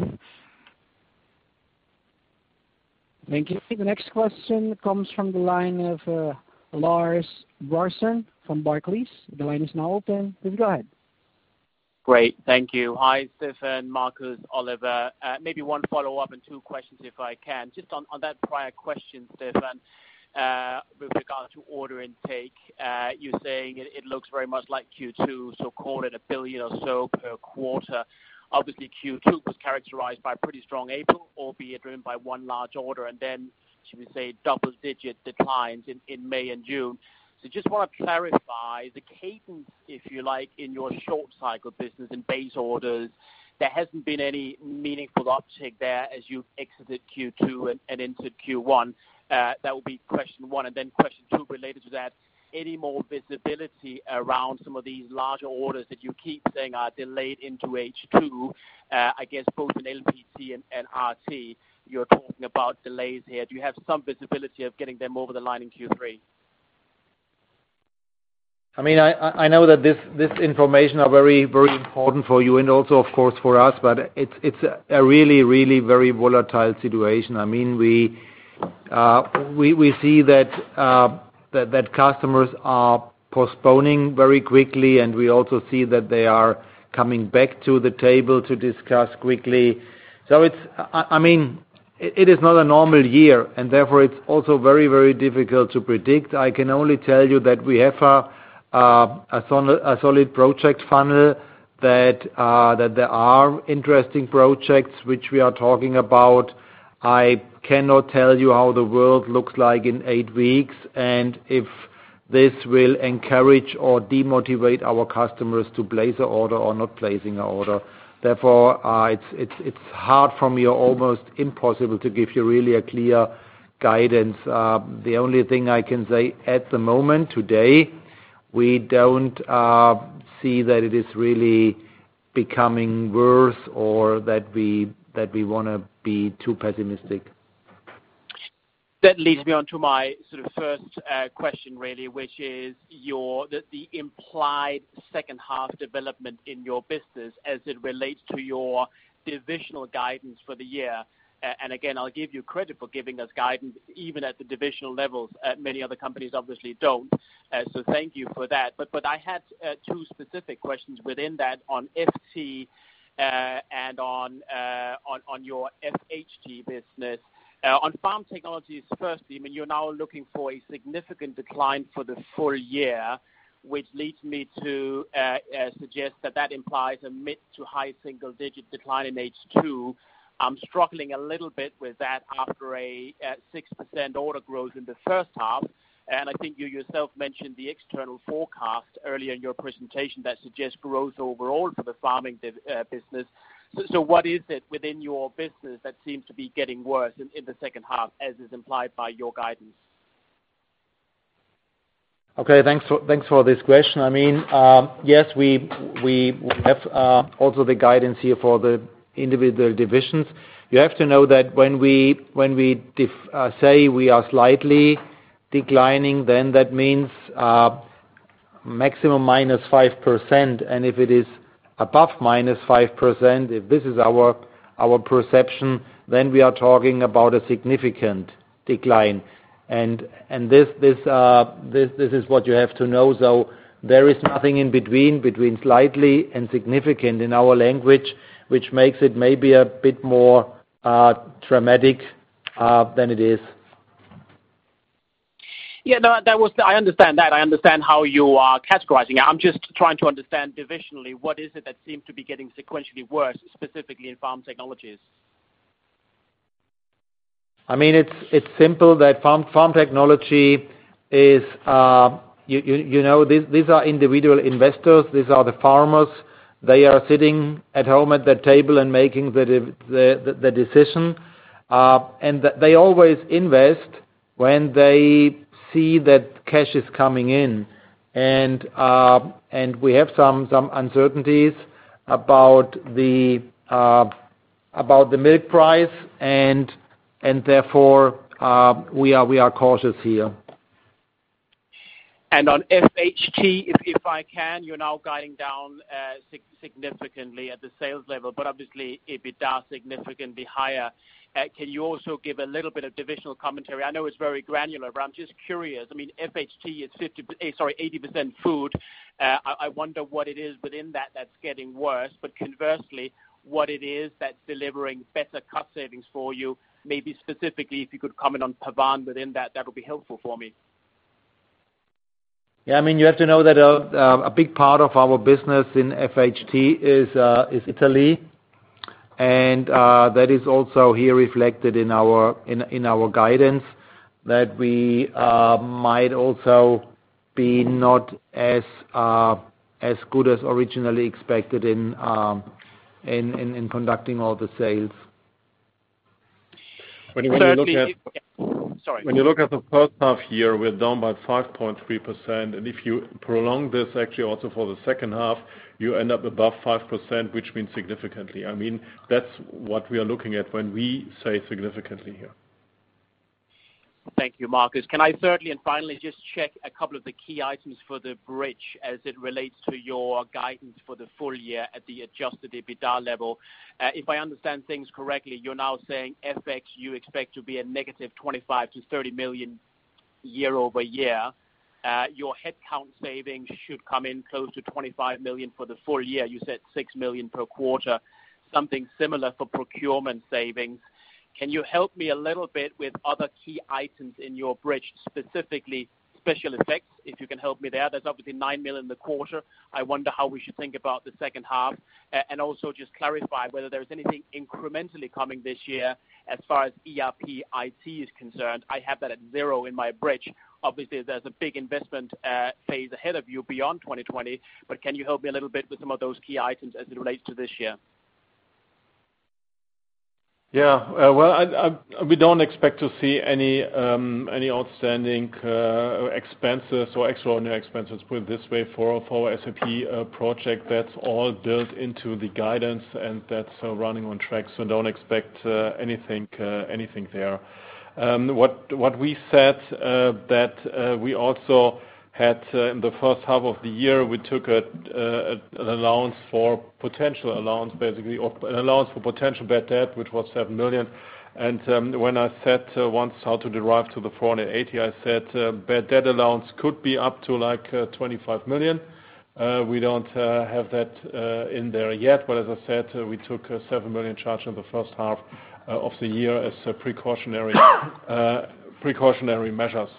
Thank you. The next question comes from the line of Lars Brorson from Barclays. The line is now open. Please go ahead. Great. Thank you. Hi, Stefan, Marcus, Oliver. Maybe one follow-up and two questions, if I can. Just on that prior question, Stefan, with regard to order intake, you're saying it looks very much like Q2, so call it 1 billion or so per quarter. Obviously, Q2 was characterized by a pretty strong April, albeit driven by one large order, and then, should we say, double-digit declines in May and June. Just want to clarify the cadence, if you like, in your short-cycle business and base orders. There hasn't been any meaningful uptick there as you've exited Q2 and into Q1. That would be question one. Question two related to that, any more visibility around some of these larger orders that you keep saying are delayed into H2? I guess both in LPT and RT, you're talking about delays here. Do you have some visibility of getting them over the line in Q3? I know that this information are very important for you and also, of course, for us, but it's a really very volatile situation. We see that customers are postponing very quickly, and we also see that they are coming back to the table to discuss quickly. It is not a normal year, and therefore it's also very difficult to predict. I can only tell you that we have a solid project funnel, that there are interesting projects which we are talking about. I cannot tell you how the world looks like in eight weeks and if this will encourage or demotivate our customers to place a order or not placing a order. It's hard for me, or almost impossible, to give you really a clear guidance. The only thing I can say at the moment, today, we don't see that it is really becoming worse or that we want to be too pessimistic. That leads me on to my sort of first question really, which is the implied second half development in your business as it relates to your divisional guidance for the year. Again, I'll give you credit for giving us guidance even at the divisional levels. Many other companies obviously don't. Thank you for that. I had two specific questions within that on FT and on your FHT business. On Farm Technologies, firstly, you're now looking for a significant decline for the full year, which leads me to suggest that that implies a mid to high single-digit decline in H2. I'm struggling a little bit with that after a 6% order growth in the first half. I think you yourself mentioned the external forecast earlier in your presentation that suggests growth overall for the farming business. What is it within your business that seems to be getting worse in the second half, as is implied by your guidance? Okay, thanks for this question. Yes, we have also the guidance here for the individual divisions. You have to know that when we say we are slightly declining, then that means maximum -5%. If it is above -5%, if this is our perception, then we are talking about a significant decline. This is what you have to know, though, there is nothing in between slightly and significant in our language, which makes it maybe a bit more dramatic than it is. Yeah. No, I understand that. I understand how you are categorizing it. I'm just trying to understand divisionally, what is it that seems to be getting sequentially worse, specifically in Farm Technologies? It's simple that Farm Technologies, these are individual investors. These are the farmers. They are sitting at home at their table and making the decision. They always invest when they see that cash is coming in. We have some uncertainties about the milk price, and therefore, we are cautious here. On FHT, if I can, you're now guiding down significantly at the sales level, but obviously EBITDA significantly higher. Can you also give a little bit of divisional commentary? I know it's very granular, but I'm just curious. FHT is 80% food. I wonder what it is within that that's getting worse, but conversely, what it is that's delivering better cost savings for you. Specifically, if you could comment on Pavan within that would be helpful for me. Yeah. You have to know that a big part of our business in FHT is Italy, and that is also here reflected in our guidance that we might also be not as good as originally expected in conducting all the sales. Thirdly, sorry. When you look at the first half year, we're down by 5.3%, and if you prolong this actually also for the second half, you end up above 5%, which means significantly. That's what we are looking at when we say significantly here. Thank you, Marcus. Can I thirdly and finally just check a couple of the key items for the bridge as it relates to your guidance for the full year at the adjusted EBITDA level? If I understand things correctly, you're now saying FX, you expect to be a -25 million to 30 million year-over-year. Your headcount savings should come in close to 25 million for the full year. You said 6 million per quarter, something similar for procurement savings. Can you help me a little bit with other key items in your bridge, specifically special effects, if you can help me there? There's obviously 9 million in the quarter. I wonder how we should think about the second half. Also just clarify whether there is anything incrementally coming this year as far as ERP IT is concerned. I have that at zero in my bridge. Obviously, there's a big investment phase ahead of you beyond 2020, but can you help me a little bit with some of those key items as it relates to this year? Yeah. Well, we don't expect to see any outstanding expenses or extraordinary expenses, put it this way, for our SAP project. That's all built into the guidance and that's running on track, so don't expect anything there. What we said that we also had in the first half of the year, we took an allowance for potential allowance, basically, or an allowance for potential bad debt, which was 7 million. When I said once how to derive to the 480 million, I said bad debt allowance could be up to 25 million. We don't have that in there yet, but as I said, we took a 7 million charge in the first half of the year as precautionary measures.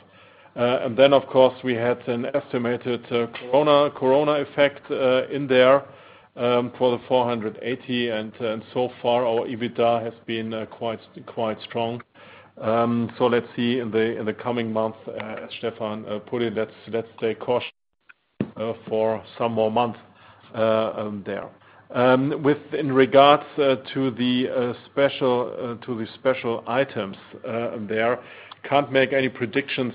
Of course, we had an estimated corona effect in there for the 480 million, and so far our EBITDA has been quite strong. Let's see in the coming months, as Stefan put it, let's stay cautious for some more months there. In regards to the special items there, can't make any predictions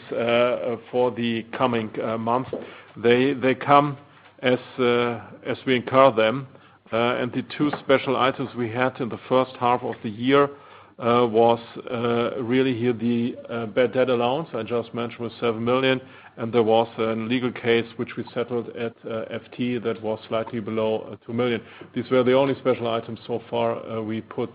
for the coming months. They come as we incur them. The two special items we had in the first half of the year was really here the bad debt allowance I just mentioned was 7 million, and there was a legal case which we settled at FT that was slightly below 2 million. These were the only special items so far we put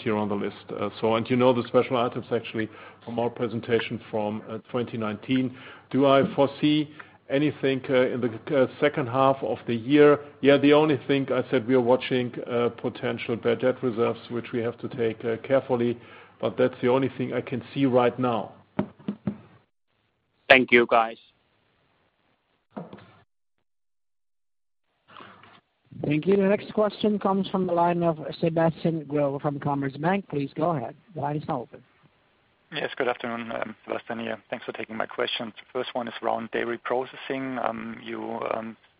here on the list. You know the special items actually from our presentation from 2019. Do I foresee anything in the second half of the year? The only thing I said we are watching potential bad debt reserves, which we have to take carefully, but that's the only thing I can see right now. Thank you, guys. Thank you. The next question comes from the line of Sebastian Growe from Commerzbank. Please go ahead. The line is now open. Yes, good afternoon. Sebastian here. Thanks for taking my questions. First one is around dairy processing.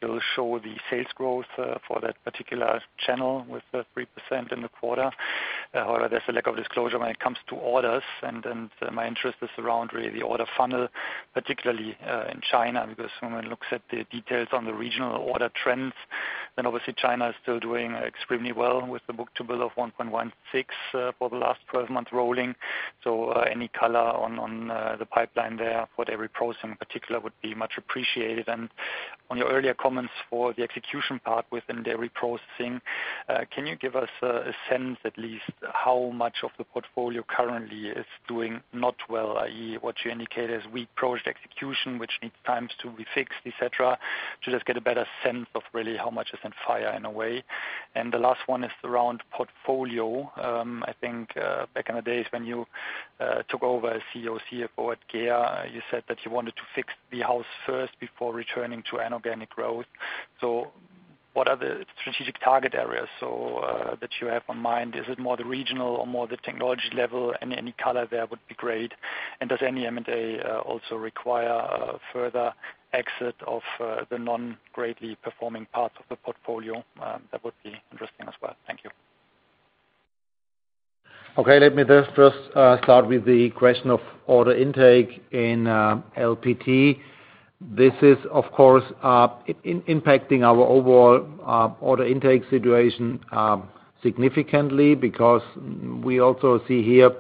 You still show the sales growth for that particular channel with the 3% in the quarter. However, there's a lack of disclosure when it comes to orders, and my interest is around really the order funnel, particularly in China, because when one looks at the details on the regional order trends, then obviously China is still doing extremely well with the book-to-bill of 1.16 for the last 12 months rolling. Any color on the pipeline there for dairy processing in particular would be much appreciated. On your earlier comments for the execution part within dairy processing, can you give us a sense at least how much of the portfolio currently is doing not well, i.e., what you indicate as weak project execution, which needs time to be fixed, et cetera, to just get a better sense of really how much is on fire in a way? The last one is around portfolio. I think, back in the days when you took over as CEO, CFO at GEA, you said that you wanted to fix the house first before returning to inorganic growth. What are the strategic target areas that you have on mind? Is it more the regional or more the technology level? Any color there would be great. Does any M&A also require a further exit of the non-greatly performing parts of the portfolio? That would be interesting as well. Thank you. Okay. Let me just first start with the question of order intake in LPT. This is, of course, impacting our overall order intake situation significantly because we also see here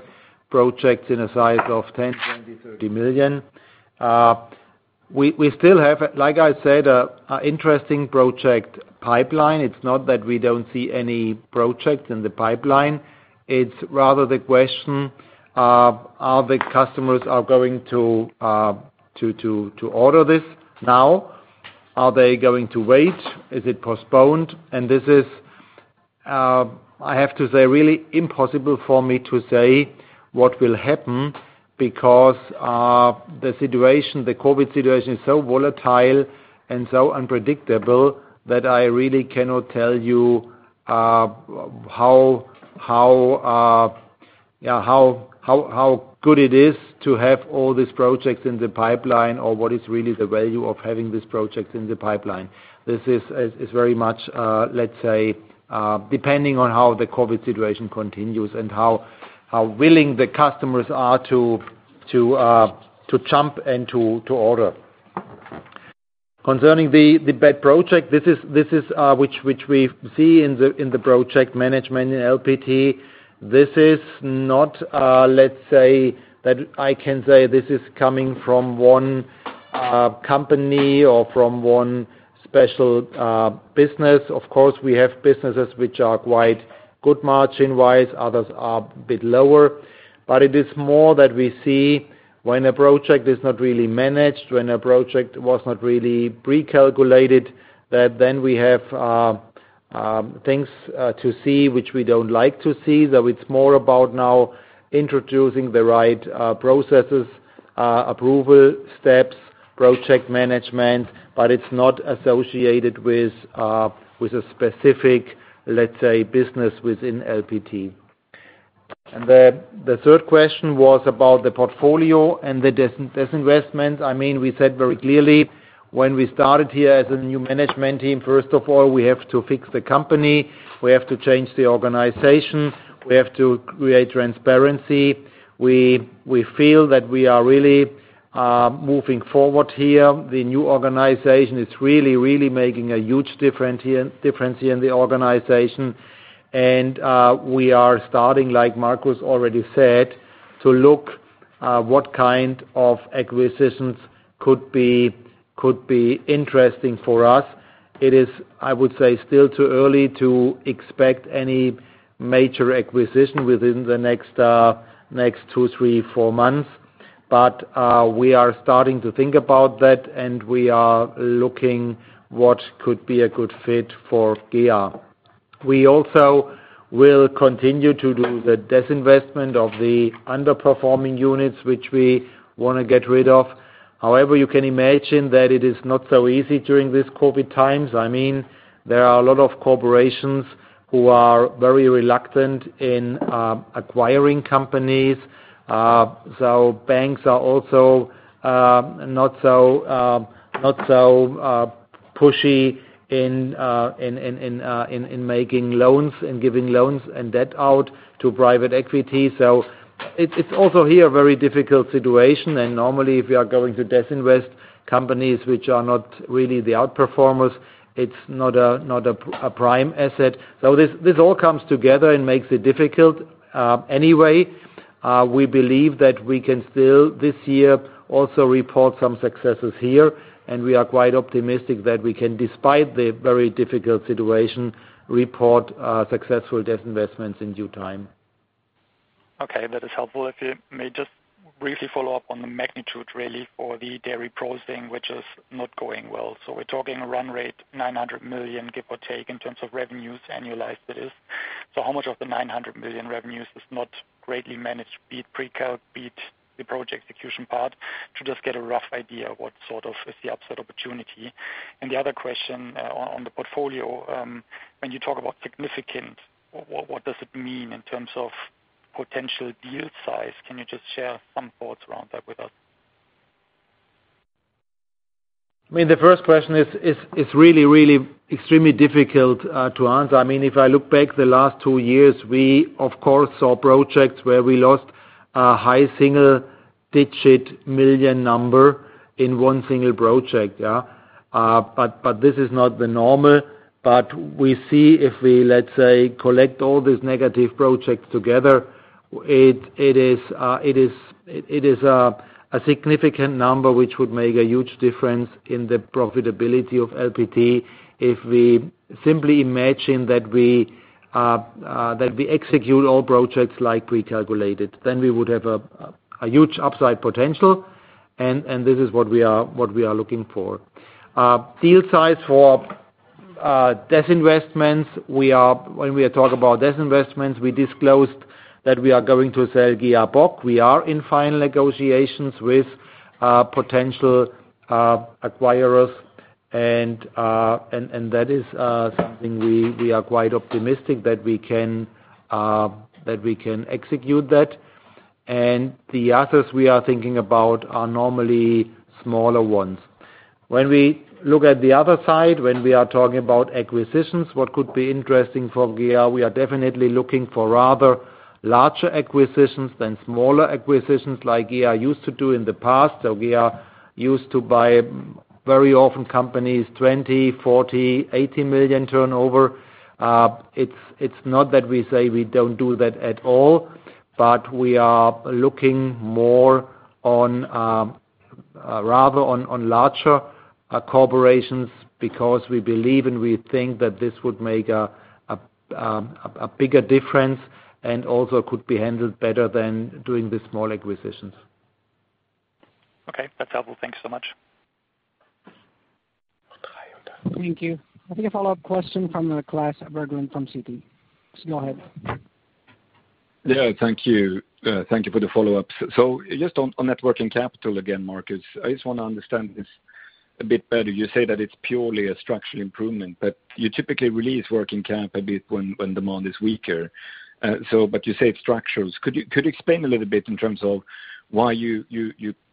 projects in a size of 10 million, 20 million, 30 million. We still have, like I said, an interesting project pipeline. It's not that we don't see any projects in the pipeline. It's rather the question of are the customers going to order this now? Are they going to wait? Is it postponed? This is, I have to say, really impossible for me to say what will happen because the COVID-19 situation is so volatile and so unpredictable that I really cannot tell you how good it is to have all these projects in the pipeline or what is really the value of having these projects in the pipeline. This is very much, let's say, depending on how the COVID-19 situation continues and how willing the customers are to jump and to order. Concerning the bad project, which we see in the project management in LPT, this is not, let's say, that I can say this is coming from one company or from one special business. Of course, we have businesses which are quite good margin-wise. Others are a bit lower. It is more that we see when a project is not really managed, when a project was not really pre-calculated, that then we have things to see, which we don't like to see. It's more about now introducing the right processes, approval steps, project management, but it's not associated with a specific, let's say, business within LPT. The third question was about the portfolio and the disinvestment. We said very clearly when we started here as a new management team, first of all, we have to fix the company. We have to change the organization. We have to create transparency. We feel that we are really moving forward here. The new organization is really making a huge difference here in the organization. We are starting, like Marcus already said, to look what kind of acquisitions could be interesting for us. It is, I would say, still too early to expect any major acquisition within the next two, three, four months. We are starting to think about that, and we are looking what could be a good fit for GEA. We also will continue to do the disinvestment of the underperforming units, which we want to get rid of. However, you can imagine that it is not so easy during these COVID times. There are a lot of corporations who are very reluctant in acquiring companies. Banks are also not so pushy in making loans and giving loans and debt out to private equity. It's also here a very difficult situation. Normally, if you are going to disinvest companies which are not really the out-performers, it's not a prime asset. This all comes together and makes it difficult. Anyway, we believe that we can still, this year, also report some successes here, and we are quite optimistic that we can, despite the very difficult situation, report successful disinvestments in due time. Okay. That is helpful. If you may just briefly follow up on the magnitude, really, for the dairy processing, which is not going well. We're talking a run rate, 900 million, give or take, in terms of revenues, annualized it is. How much of the 900 million revenues is not greatly managed, be it pre-calc, be it the project execution part? To just get a rough idea what is the upside opportunity. The other question on the portfolio, when you talk about significant, what does it mean in terms of potential deal size? Can you just share some thoughts around that with us? The first question is really extremely difficult to answer. If I look back the last two years, we of course saw projects where we lost a high single-digit million number in one single project. This is not the normal. We see if we, let's say, collect all these negative projects together, it is a significant number, which would make a huge difference in the profitability of LPT. If we simply imagine that we execute all projects like pre-calculated, then we would have a huge upside potential and this is what we are looking for. Deal size for disinvestments. When we talk about disinvestments, we disclosed that we are going to sell GEA Bock. We are in final negotiations with potential acquirers and that is something we are quite optimistic that we can execute that. The others we are thinking about are normally smaller ones. When we look at the other side, when we are talking about acquisitions, what could be interesting for GEA, we are definitely looking for rather larger acquisitions than smaller acquisitions like GEA used to do in the past. GEA used to buy very often companies 20 million, 40 million, 80 million turnover. It's not that we say we don't do that at all, but we are looking more on rather on larger corporations because we believe and we think that this would make a bigger difference and also could be handled better than doing the small acquisitions. Okay. That's helpful. Thanks so much. Thank you. I think a follow-up question from Klas Bergelind from Citi. Please go ahead. Yeah, thank you. Thank you for the follow-ups. Just on net working capital again, Marcus, I just want to understand this a bit better. You say that it's purely a structural improvement, but you typically release working cap a bit when demand is weaker. You say it's structural. Could you explain a little bit in terms of why you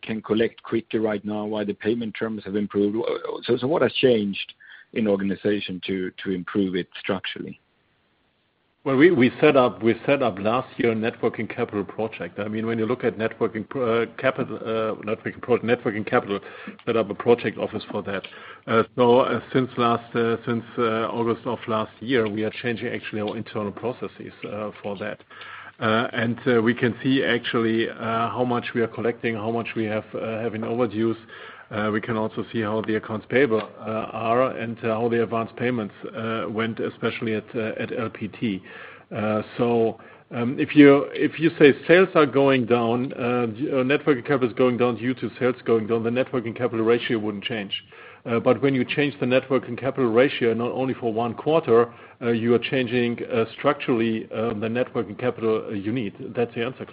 can collect quickly right now, why the payment terms have improved? What has changed in organization to improve it structurally? Well, we set up last year a net working capital project. When you look at net working capital, set up a project office for that. Since August of last year, we are changing actually our internal processes for that. We can see actually how much we are collecting, how much we have in overdues. We can also see how the accounts payable are and how the advanced payments went, especially at LPT. If you say sales are going down, net working capital is going down due to sales going down, the net working capital ratio wouldn't change. When you change the net working capital ratio, not only for one quarter, you are changing structurally the net working capital you need. That's the answer,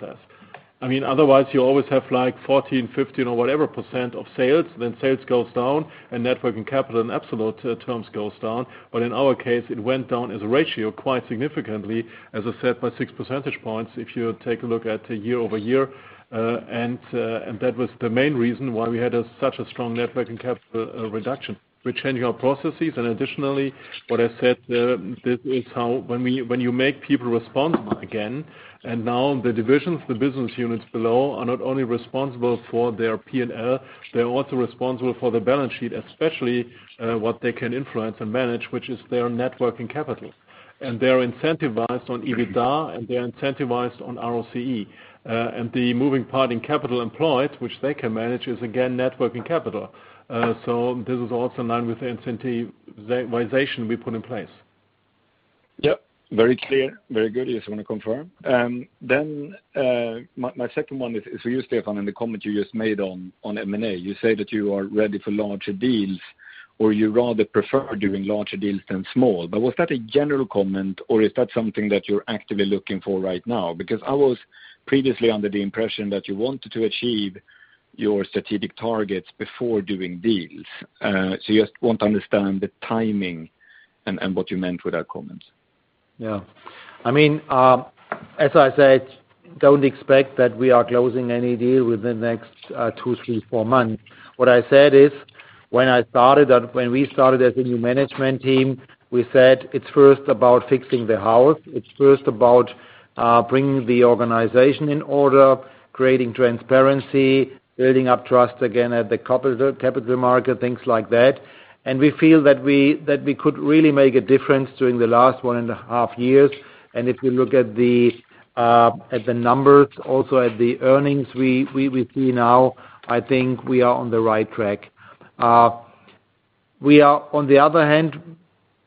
Klas. Otherwise you always have 14%, 15% or whatever percent of sales, then sales goes down and net working capital in absolute terms goes down. In our case, it went down as a ratio quite significantly, as I said, by 6 percentage points. If you take a look at the year-over-year. That was the main reason why we had such a strong net working capital reduction. We're changing our processes and additionally, what I said, this is how when you make people responsible again and now the divisions, the business units below are not only responsible for their P&L, they're also responsible for the balance sheet, especially what they can influence and manage, which is their net working capital. They're incentivized on EBITDA and they're incentivized on ROCE. The moving part in capital employed, which they can manage, is again, net working capital. This is also now with the incentivization we put in place. Yep. Very clear. Very good. Yes, I want to confirm. My second one is for you, Stefan, in the comment you just made on M&A. You say that you are ready for larger deals or you rather prefer doing larger deals than small. Was that a general comment or is that something that you're actively looking for right now? I was previously under the impression that you wanted to achieve your strategic targets before doing deals. I just want to understand the timing and what you meant with that comment. Yeah. As I said, don't expect that we are closing any deal within the next two, three, four months. What I said is, when we started as a new management team, we said it's first about fixing the house. It's first about bringing the organization in order, creating transparency, building up trust again at the capital market, things like that. We feel that we could really make a difference during the last one and a half years. If we look at the numbers, also at the earnings we see now, I think we are on the right track. We are, on the other hand,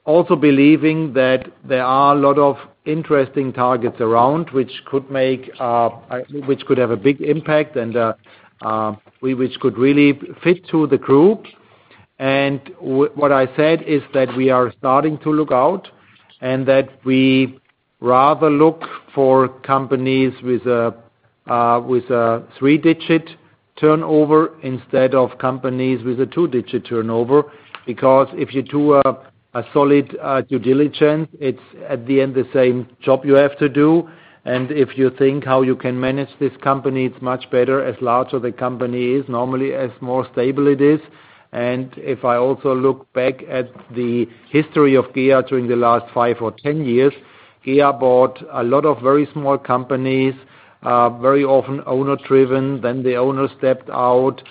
also believing that there are a lot of interesting targets around which could have a big impact and which could really fit to the group. What I said is that we are starting to look out and that we rather look for companies with a three-digit turnover instead of companies with a two-digit turnover. Because if you do a solid due diligence, it's at the end the same job you have to do. And if you think how you can manage this company, it's much better as larger the company is, normally as more stable it is. And if I also look back at the history of GEA during the last five or 10 years, GEA bought a lot of very small companies, very often owner-driven, then the owner stepped out,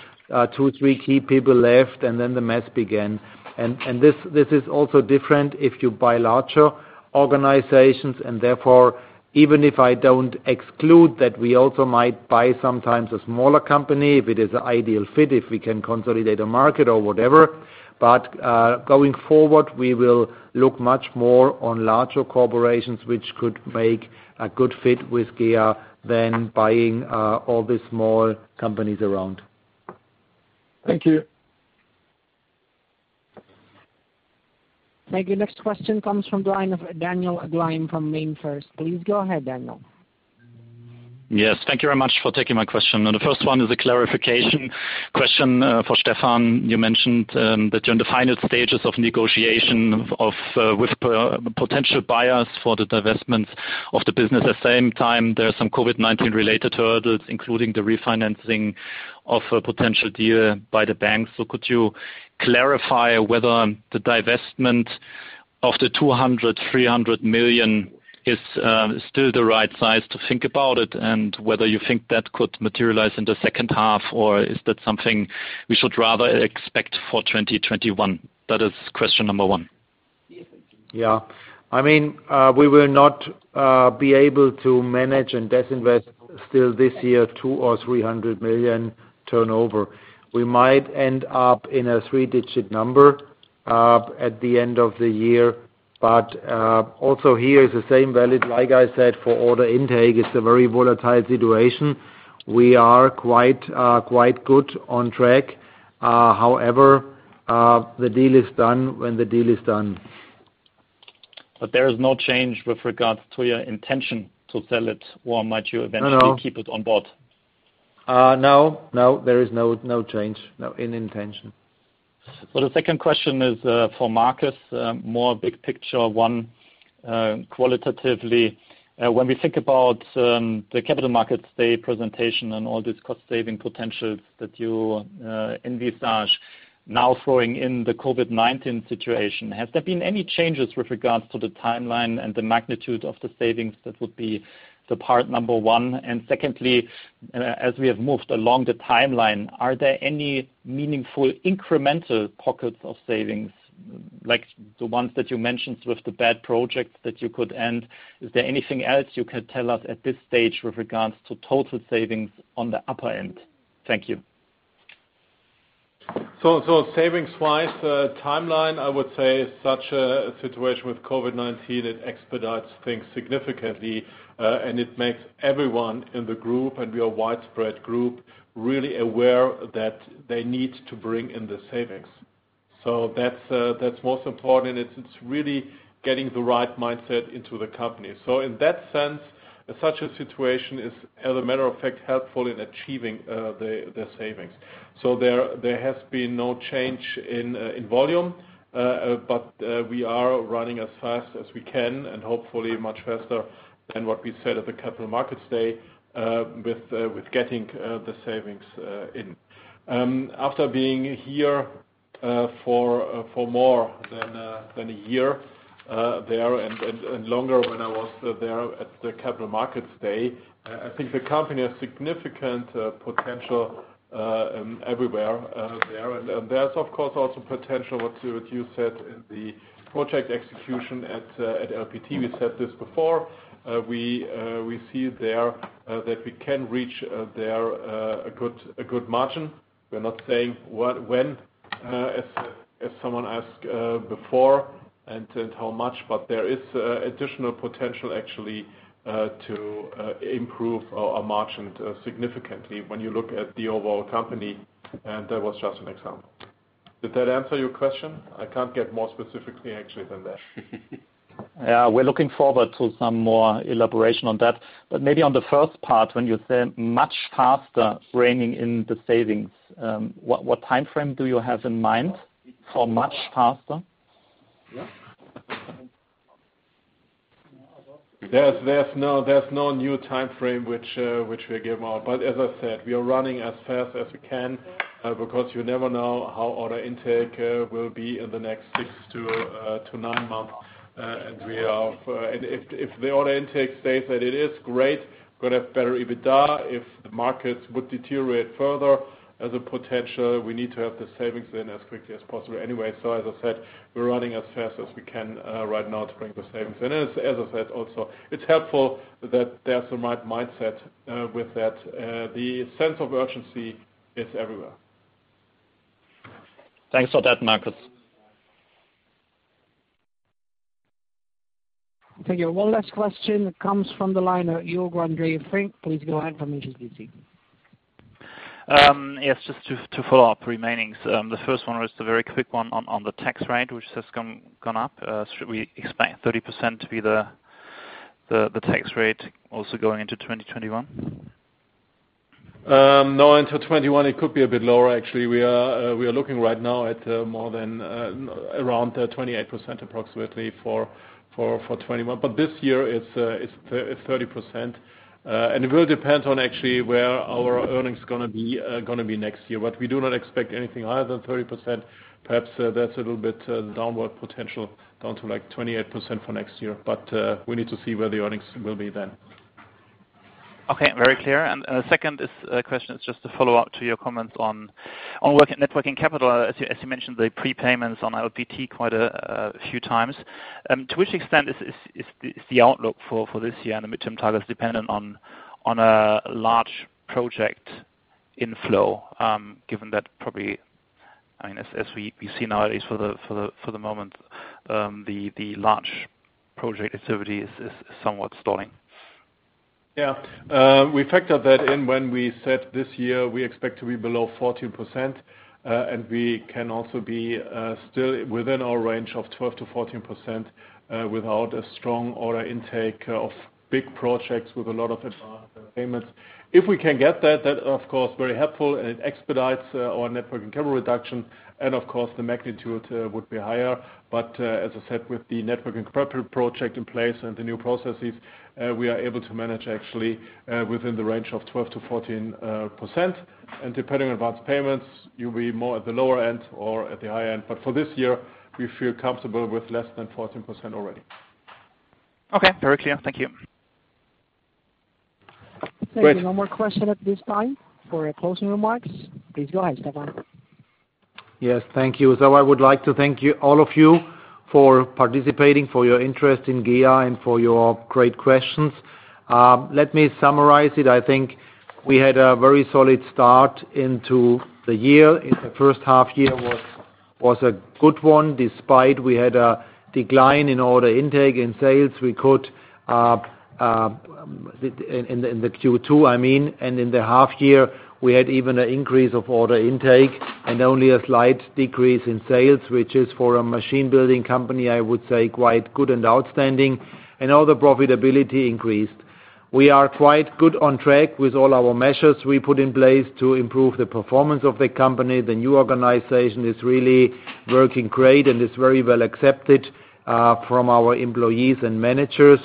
two, three key people left, and then the mess began. This is also different if you buy larger organizations and therefore, even if I don't exclude that we also might buy sometimes a smaller company, if it is an ideal fit, if we can consolidate a market or whatever. Going forward, we will look much more on larger corporations, which could make a good fit with GEA than buying all the small companies around. Thank you. Thank you. Next question comes from the line of Daniel Gleim from MainFirst. Please go ahead, Daniel. Yes. Thank you very much for taking my question. The first one is a clarification question for Stefan. You mentioned that you're in the final stages of negotiation with potential buyers for the divestments of the business. At the same time, there are some COVID-19 related hurdles, including the refinancing of a potential deal by the bank. Could you clarify whether the divestment of the 200 million, 300 million is still the right size to think about it and whether you think that could materialize in the second half or is that something we should rather expect for 2021? That is question number one. We will not be able to manage and disinvest still this year, 200 million or 300 million turnover. We might end up in a three-digit number at the end of the year. Also here is the same valid, like I said, for order intake. It's a very volatile situation. We are quite good on track. However, the deal is done when the deal is done. There is no change with regards to your intention to sell it? No. Keep it on board? No. There is no change in intention. The second question is for Marcus, more big picture one, qualitatively. When we think about the capital markets day presentation and all these cost-saving potentials that you envisage now throwing in the COVID-19 situation, has there been any changes with regards to the timeline and the magnitude of the savings? That would be the part number one. Secondly, as we have moved along the timeline, are there any meaningful incremental pockets of savings, like the ones that you mentioned with the bad projects that you could end? Is there anything else you could tell us at this stage with regards to total savings on the upper end? Thank you. Savings-wise, timeline, I would say, is such a situation with COVID-19. It expedites things significantly, and it makes everyone in the group, and we are a widespread group, really aware that they need to bring in the savings. That's most important. It's really getting the right mindset into the company. In that sense, such a situation is, as a matter of fact, helpful in achieving the savings. There has been no change in volume. We are running as fast as we can and hopefully much faster than what we said at the Capital Markets Day, with getting the savings in. After being here for more than a year there and longer when I was there at the Capital Markets Day, I think the company has significant potential everywhere there. There's, of course, also potential what you said in the project execution at LPT. We said this before. We see there that we can reach there a good margin. We're not saying when, as someone asked before, and how much, but there is additional potential actually to improve our margin significantly when you look at the overall company, and that was just an example. Did that answer your question? I can't get more specifically actually than that. Yeah. We're looking forward to some more elaboration on that. Maybe on the first part, when you said much faster reigning in the savings, what timeframe do you have in mind for much faster? There's no new timeframe which we give out. As I said, we are running as fast as we can because you never know how order intake will be in the next six to nine months. If the order intake states that it is great, we are going to have better EBITDA. If the markets would deteriorate further as a potential, we need to have the savings in as quickly as possible anyway. As I said, we're running as fast as we can right now to bring the savings in. As I said, also, it's helpful that there's the right mindset with that. The sense of urgency is everywhere. Thanks for that, Marcus. Thank you. One last question comes from the line, Jörg-André Finke. Please go ahead from HSBC. Yes, just to follow up remainings. The first one was the very quick one on the tax rate, which has gone up. Should we expect 30% to be the tax rate also going into 2021? Until 2021 it could be a bit lower. Actually, we are looking right now at more than around 28% approximately for 2021. This year it's 30%. It will depend on actually where our earnings going to be next year. We do not expect anything higher than 30%. Perhaps that's a little bit downward potential, down to like 28% for next year. We need to see where the earnings will be then. Okay, very clear. The second question is just a follow up to your comments on net working capital. As you mentioned, the prepayments on LPT quite a few times. To which extent is the outlook for this year and the midterm targets dependent on a large project inflow? Given that probably, as we see nowadays for the moment, the large project activity is somewhat stalling. We factored that in when we said this year we expect to be below 14%, and we can also be still within our range of 12%-14% without a strong order intake of big projects with a lot of advanced payments. If we can get that of course very helpful and it expedites our net working capital reduction, of course, the magnitude would be higher. As I said, with the net working capital project in place and the new processes, we are able to manage actually within the range of 12%-14%. Depending on advanced payments, you'll be more at the lower end or at the high end. For this year, we feel comfortable with less than 14% already. Okay. Very clear. Thank you. There is one more question at this time. For our closing remarks, please go ahead, Stefan. Yes. Thank you. I would like to thank all of you for participating, for your interest in GEA, and for your great questions. Let me summarize it. I think we had a very solid start into the year. The first half year was a good one. Despite we had a decline in order intake, in sales, in the Q2, I mean, and in the half year, we had even an increase of order intake and only a slight decrease in sales, which is for a machine building company, I would say, quite good and outstanding. All the profitability increased. We are quite good on track with all our measures we put in place to improve the performance of the company. The new organization is really working great and is very well accepted from our employees and managers.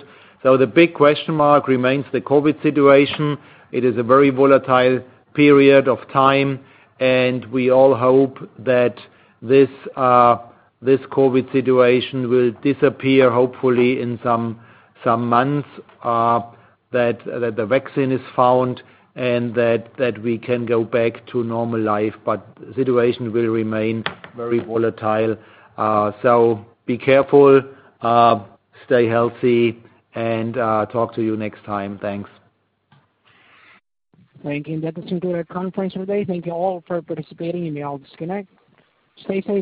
The big question mark remains the COVID situation. It is a very volatile period of time, we all hope that this COVID situation will disappear, hopefully, in some months, that the vaccine is found and that we can go back to normal life. The situation will remain very volatile. Be careful, stay healthy, and talk to you next time. Thanks. Thank you. That does conclude our conference today. Thank you all for participating. You may all disconnect. Stay safe.